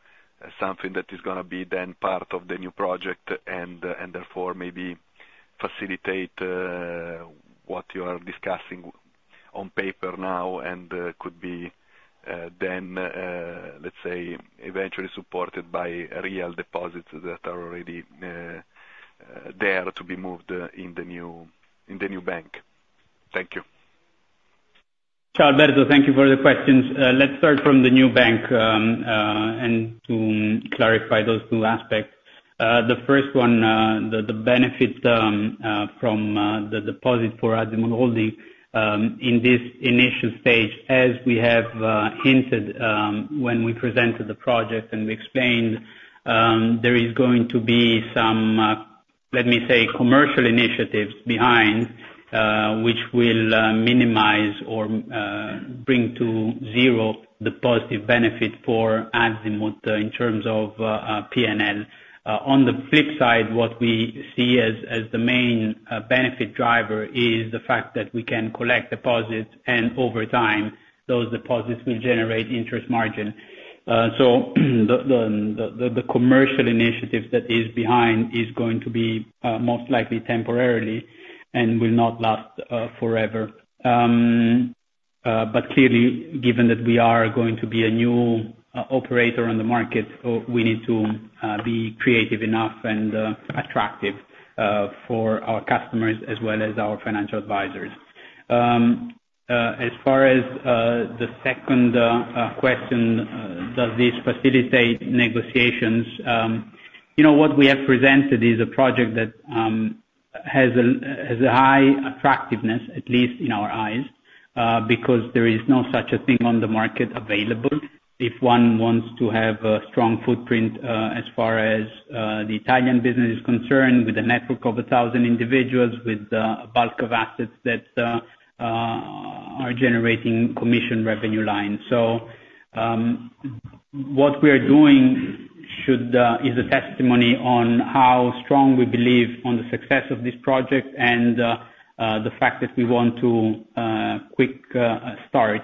something that is going to be then part of the new project and therefore maybe facilitate what you are discussing on paper now and could be then, let's say, eventually supported by real deposits that are already there to be moved in the new bank. Thank you. Ciao, Alberto. Thank you for the questions. Let's start from the new bank and to clarify those two aspects. The first one, the benefit from the deposit for Azimut Holding in this initial stage, as we have hinted when we presented the project and we explained, there is going to be some, let me say, commercial initiatives behind which will minimize or bring to zero the positive benefit for Azimut in terms of P&L. On the flip side, what we see as the main benefit driver is the fact that we can collect deposits, and over time, those deposits will generate interest margin. So the commercial initiative that is behind is going to be most likely temporary and will not last forever. But clearly, given that we are going to be a new operator on the market, we need to be creative enough and attractive for our customers as well as our financial advisors. As far as the second question, does this facilitate negotiations? What we have presented is a project that has a high attractiveness, at least in our eyes, because there is no such thing on the market available if one wants to have a strong footprint as far as the Italian business is concerned with a network of 1,000 individuals with a bulk of assets that are generating commission revenue lines. So what we are doing is a testimony on how strong we believe on the success of this project and the fact that we want to quick start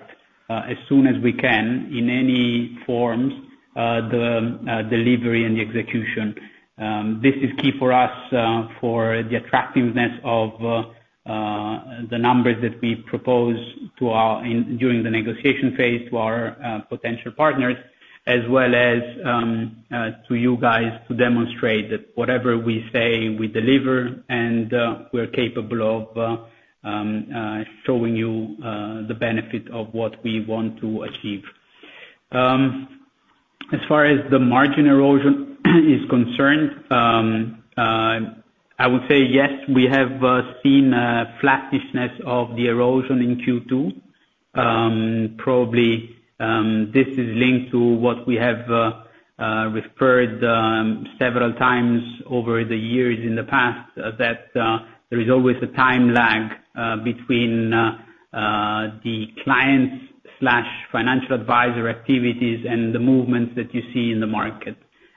as soon as we can in any forms, the delivery and the execution. This is key for us for the attractiveness of the numbers that we propose during the negotiation phase to our potential partners, as well as to you guys to demonstrate that whatever we say, we deliver, and we're capable of showing you the benefit of what we want to achieve. As far as the margin erosion is concerned, I would say yes, we have seen a flattishness of the erosion in Q2. Probably this is linked to what we have referred several times over the years in the past, that there is always a time lag between the clients/financial advisor activities and the movements that you see in the market,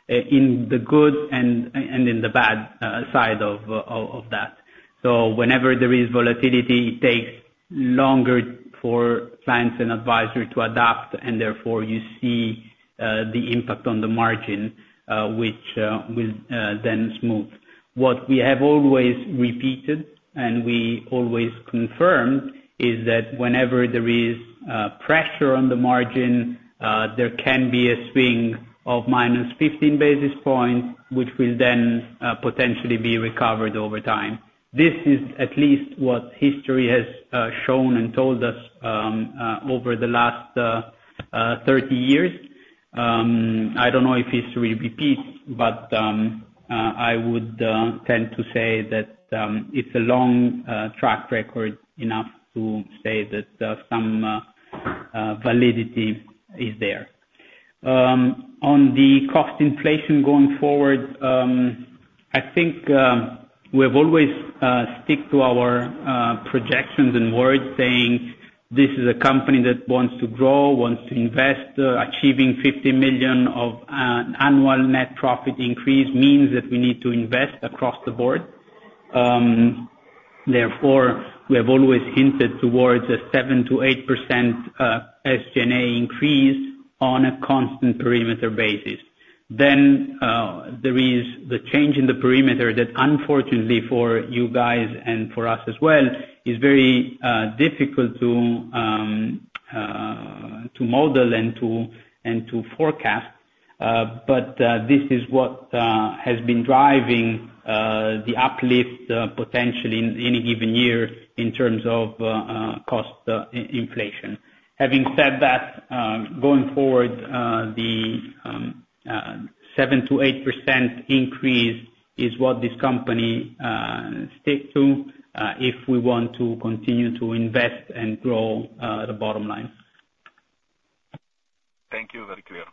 in the good and in the bad side of that. So whenever there is volatility, it takes longer for clients and advisors to adapt, and therefore, you see the impact on the margin, which will then smooth. What we have always repeated and we always confirmed is that whenever there is pressure on the margin, there can be a swing of -15 basis points, which will then potentially be recovered over time. This is at least what history has shown and told us over the last 30 years. I don't know if history repeats, but I would tend to say that it's a long track record enough to say that some validity is there. On the cost inflation going forward, I think we have always sticked to our projections and words saying, "This is a company that wants to grow, wants to invest. Achieving 50 million of annual net profit increase means that we need to invest across the board." Therefore, we have always hinted towards a 7%-8% SG&A increase on a constant perimeter basis. Then there is the change in the perimeter that, unfortunately for you guys and for us as well, is very difficult to model and to forecast. But this is what has been driving the uplift potentially in any given year in terms of cost inflation. Having said that, going forward, the 7%-8% increase is what this company stick to if we want to continue to invest and grow the bottom line. Thank you, very clear.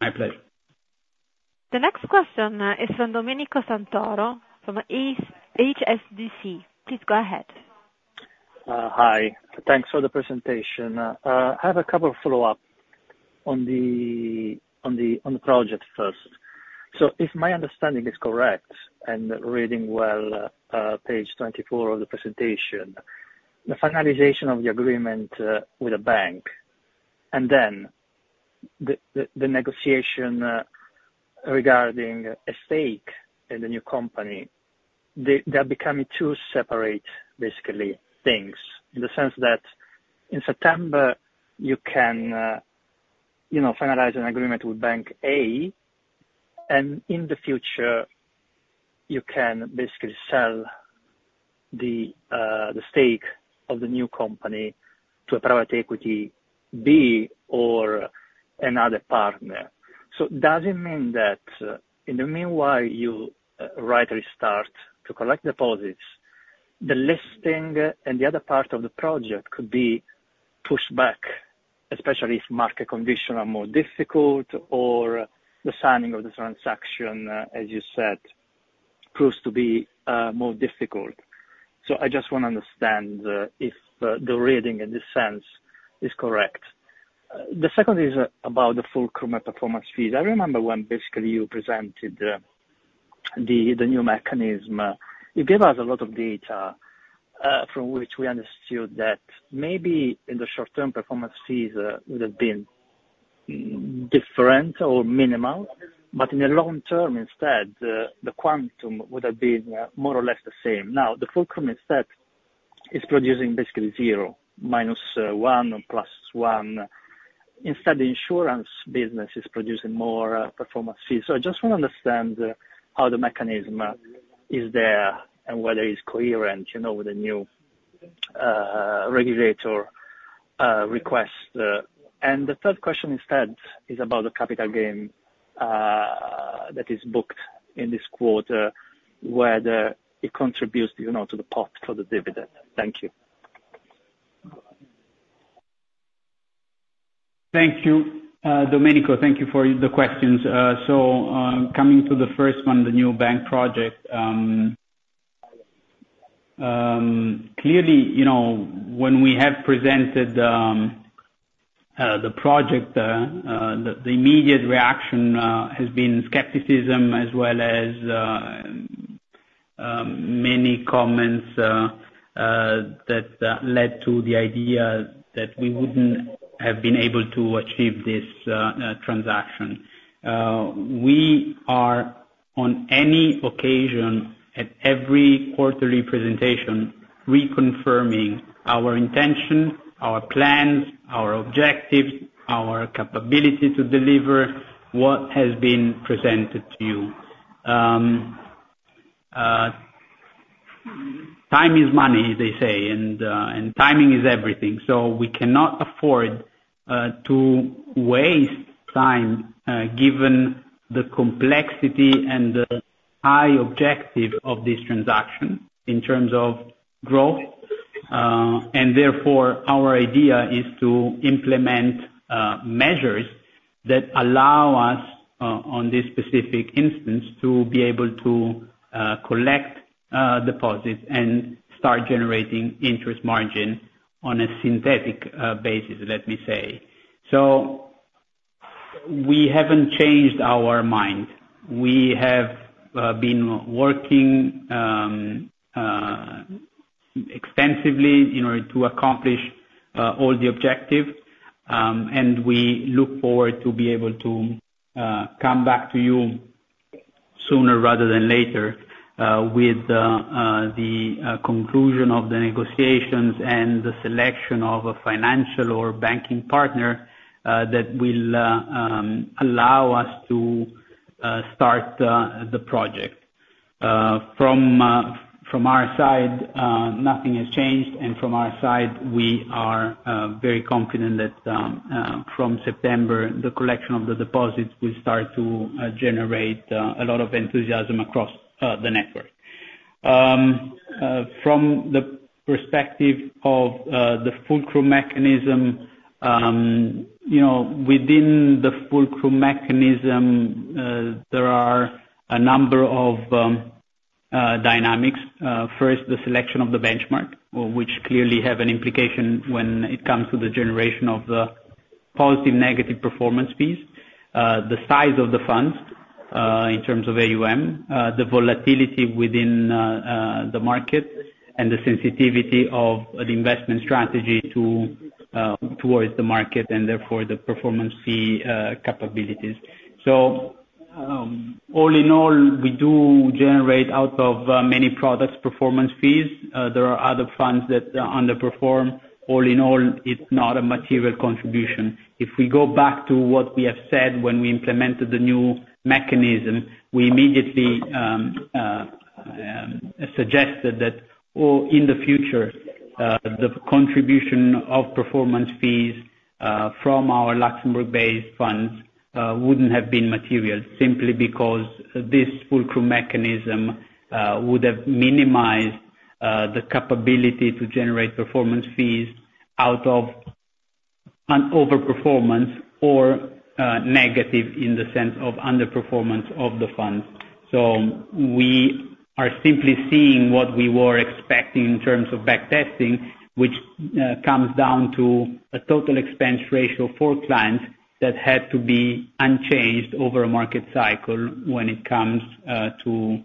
My pleasure. The next question is from Domenico Santoro, HSBC. Please go ahead. Hi. Thanks for the presentation. I have a couple of follow-ups on the project first. So if my understanding is correct and reading well page 24 of the presentation, the finalization of the agreement with the bank and then the negotiation regarding a stake in the new company, they are becoming two separate, basically, things in the sense that in September, you can finalize an agreement with bank A, and in the future, you can basically sell the stake of the new company to a private equity B or another partner. So does it mean that in the meanwhile you rightly start to collect deposits, the listing and the other part of the project could be pushed back, especially if market conditions are more difficult or the signing of the transaction, as you said, proves to be more difficult? So I just want to understand if the reading in this sense is correct. The second is about the Fulcrum performance fees. I remember when basically you presented the new mechanism. You gave us a lot of data from which we understood that maybe in the short-term performance fees would have been different or minimal, but in the long term instead, the quantum would have been more or less the same. Now, the Fulcrum instead is producing basically zero, -1 plus 1. Instead, the insurance business is producing more performance fees. So I just want to understand how the mechanism is there and whether it's coherent with the new regulator request. And the third question instead is about the capital gain that is booked in this quarter, whether it contributes to the pot for the dividend. Thank you. Thank you. Domenico, thank you for the questions. So coming to the first one, the new bank project, clearly when we have presented the project, the immediate reaction has been skepticism as well as many comments that led to the idea that we wouldn't have been able to achieve this transaction. We are, on any occasion, at every quarterly presentation, reconfirming our intention, our plans, our objectives, our capability to deliver what has been presented to you. Time is money, they say, and timing is everything. So we cannot afford to waste time given the complexity and the high objective of this transaction in terms of growth. And therefore, our idea is to implement measures that allow us, on this specific instance, to be able to collect deposits and start generating interest margin on a synthetic basis, let me say. So we haven't changed our mind. We have been working extensively in order to accomplish all the objectives, and we look forward to be able to come back to you sooner rather than later with the conclusion of the negotiations and the selection of a financial or banking partner that will allow us to start the project. From our side, nothing has changed, and from our side, we are very confident that from September, the collection of the deposits will start to generate a lot of enthusiasm across the network. From the perspective of the Fulcrum mechanism, within the Fulcrum mechanism, there are a number of dynamics. First, the selection of the benchmark, which clearly has an implication when it comes to the generation of the positive/negative performance fees, the size of the funds in terms of AUM, the volatility within the market, and the sensitivity of the investment strategy towards the market, and therefore the performance fee capabilities. So all in all, we do generate out of many products performance fees. There are other funds that underperform. All in all, it's not a material contribution. If we go back to what we have said when we implemented the new mechanism, we immediately suggested that in the future, the contribution of performance fees from our Luxembourg-based funds wouldn't have been material simply because this Fulcrum mechanism would have minimized the capability to generate performance fees out of an overperformance or negative in the sense of underperformance of the funds. So we are simply seeing what we were expecting in terms of backtesting, which comes down to a total expense ratio for clients that had to be unchanged over a market cycle when it comes to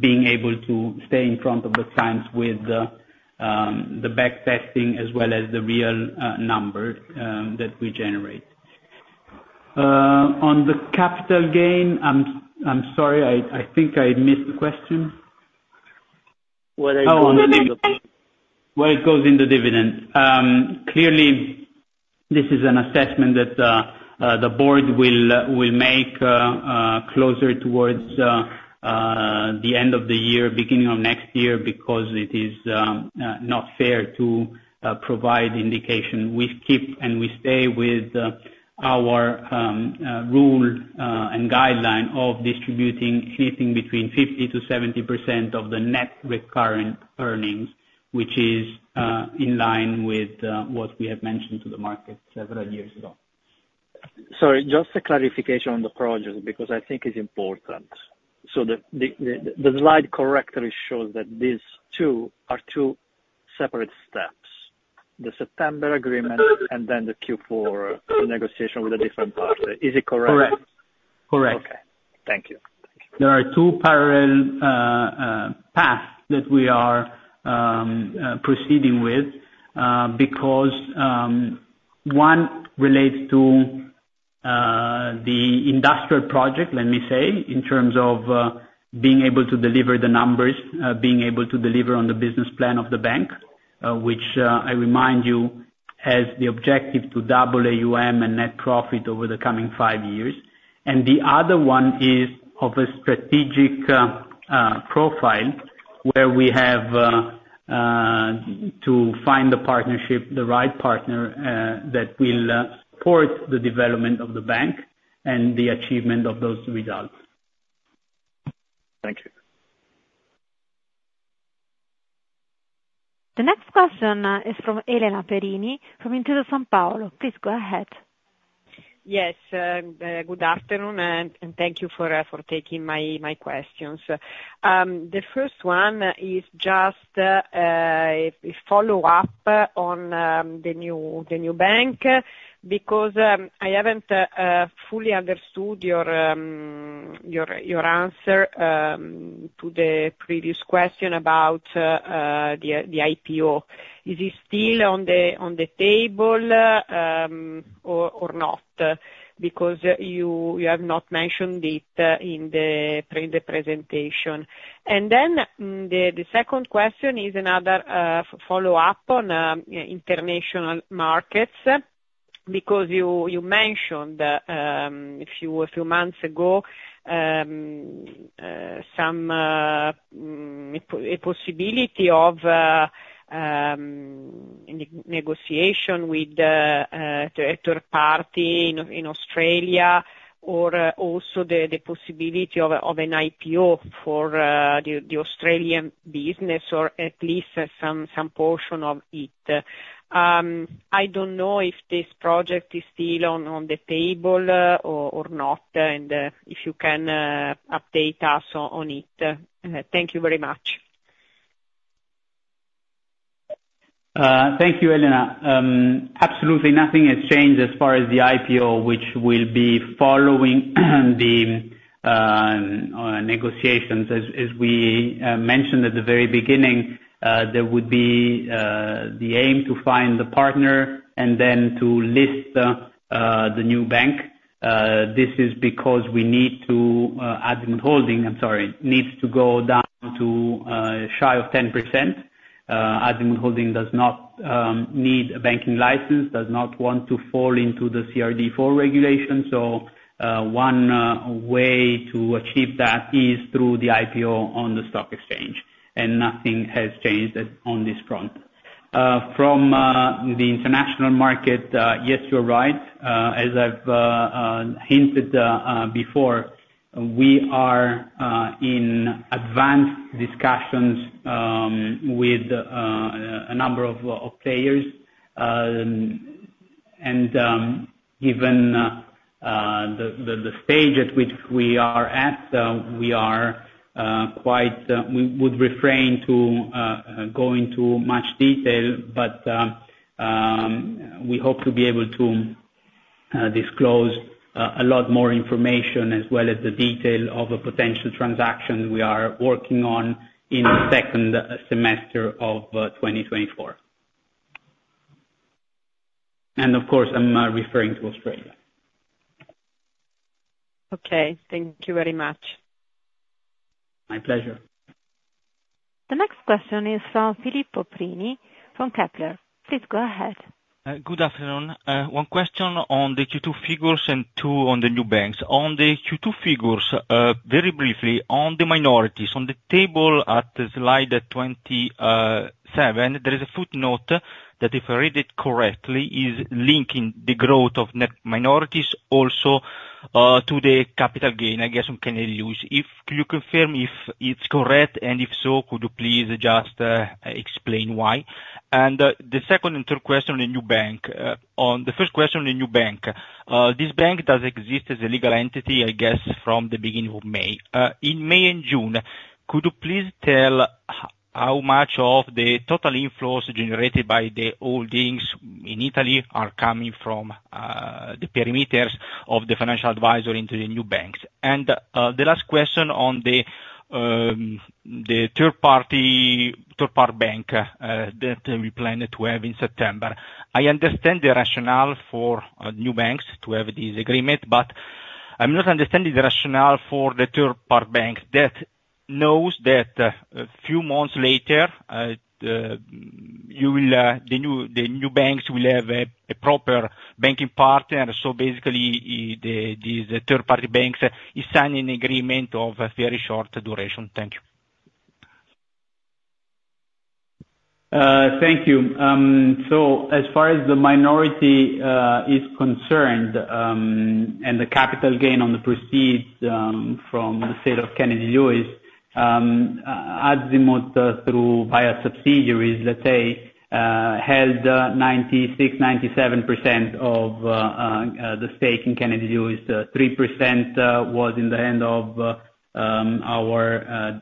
being able to stay in front of the times with the backtesting as well as the real number that we generate. On the capital gain, I'm sorry, I think I missed the question. [Audio disortion] Where it goes in the dividend. Where it goes in the dividend. Clearly, this is an assessment that the board will make closer towards the end of the year, beginning of next year, because it is not fair to provide indication. We keep and we stay with our rule and guideline of distributing anything between 50%-70% of the net recurrent earnings, which is in line with what we have mentioned to the market several years ago. Sorry, just a clarification on the project because I think it's important. So the slide correctly shows that these two are two separate steps, the September agreement and then the Q4 negotiation with a different partner. Is it correct? Correct. Correct. Okay. Thank you. There are two parallel paths that we are proceeding with because one relates to the industrial project, let me say, in terms of being able to deliver the numbers, being able to deliver on the business plan of the bank, which I remind you has the objective to double AUM and net profit over the coming five years. The other one is of a strategic profile where we have to find the partnership, the right partner that will support the development of the bank and the achievement of those results. Thank you. The next question is from Elena Perini from Intesa Sanpaolo. Please go ahead. Yes. Good afternoon, and thank you for taking my questions. The first one is just a follow-up on the new bank because I haven't fully understood your answer to the previous question about the IPO. Is it still on the table or not? Because you have not mentioned it in the presentation. And then the second question is another follow-up on international markets because you mentioned a few months ago some possibility of negotiation with a third party in Australia or also the possibility of an IPO for the Australian business or at least some portion of it. I don't know if this project is still on the table or not, and if you can update us on it. Thank you very much. Thank you, Elena. Absolutely nothing has changed as far as the IPO, which will be following the negotiations. As we mentioned at the very beginning, there would be the aim to find the partner and then to list the new bank. This is because we need to Azimut Holding, I'm sorry, needs to go down to shy of 10%. Azimut Holding does not need a banking license, does not want to fall into the CRD IV regulation. So one way to achieve that is through the IPO on the stock exchange, and nothing has changed on this front. From the international market, yes, you're right. As I've hinted before, we are in advanced discussions with a number of players. Given the stage at which we are at, we are quite—we would refrain from going into much detail, but we hope to be able to disclose a lot more information as well as the detail of a potential transaction we are working on in the second semester of 2024. And of course, I'm referring to Australia. Okay. Thank you very much. My pleasure. The next question is from Filippo Prini from Kepler. Please go ahead. Good afternoon. One question on the Q2 figures and two on the new banks. On the Q2 figures, very briefly, on the minorities, on the table at slide 27, there is a footnote that, if I read it correctly, is linking the growth of net minorities also to the capital gain, I guess, on Canadian use. If you confirm if it's correct, and if so, could you please just explain why? And the second and third question on the new bank. On the first question on the new bank, this bank does exist as a legal entity, I guess, from the beginning of May. In May and June, could you please tell how much of the total inflows generated by the holdings in Italy are coming from the perimeters of the financial advisor into the new banks? The last question on the third-party bank that we plan to have in September. I understand the rationale for new banks to have this agreement, but I'm not understanding the rationale for the third-party bank that knows that a few months later, the new banks will have a proper banking partner. Basically, the third-party banks are signing an agreement of a very short duration. Thank you. Thank you. So as far as the minority is concerned and the capital gain on the proceeds from the sale of the Canadian unit, Azimut through its subsidiaries, let's say, held 96%-97% of the stake in the Canadian unit. 3% was in the hands of our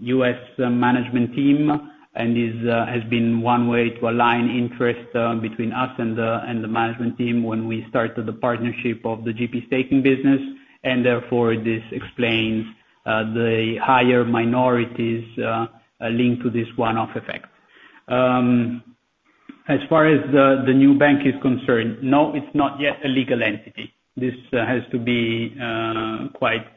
U.S. management team and has been one way to align interests between us and the management team when we started the partnership of the GP staking business. And therefore, this explains the higher minorities linked to this one-off effect. As far as the new bank is concerned, no, it's not yet a legal entity. This has to be quite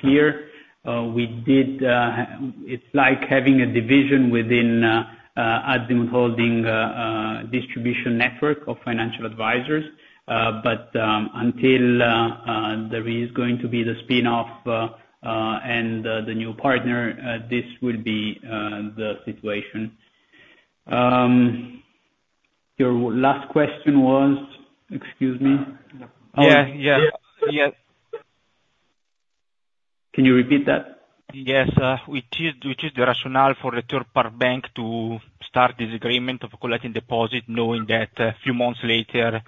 clear. It's like having a division within Azimut Holding distribution network of financial advisors, but until there is going to be the spin-off and the new partner, this will be the situation. Your last question was, excuse me. Yeah. Yeah. Yes. Can you repeat that? Yes. Which is the rationale for the third-party bank to start this agreement of collecting deposit knowing that a few months later,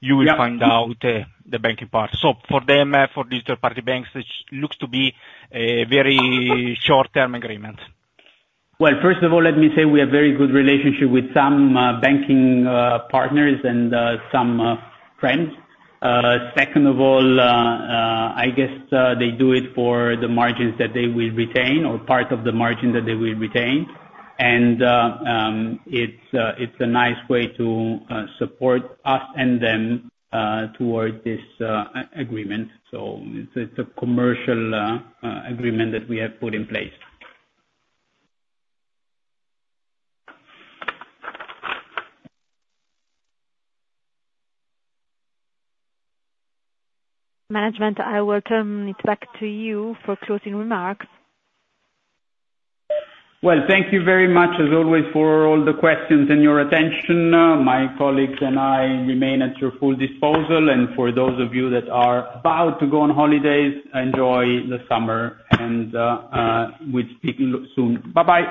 you will find out the banking part? So for them, for these third-party banks, it looks to be a very short-term agreement. Well, first of all, let me say we have a very good relationship with some banking partners and some friends. Second of all, I guess they do it for the margins that they will retain or part of the margin that they will retain. It's a nice way to support us and them toward this agreement. It's a commercial agreement that we have put in place. Management, I will turn it back to you for closing remarks. Well, thank you very much, as always, for all the questions and your attention. My colleagues and I remain at your full disposal. And for those of you that are about to go on holidays, enjoy the summer, and we'll speak soon. Bye-bye.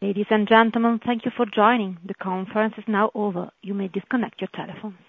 Ladies and gentlemen, thank you for joining. The conference is now over. You may disconnect your telephones.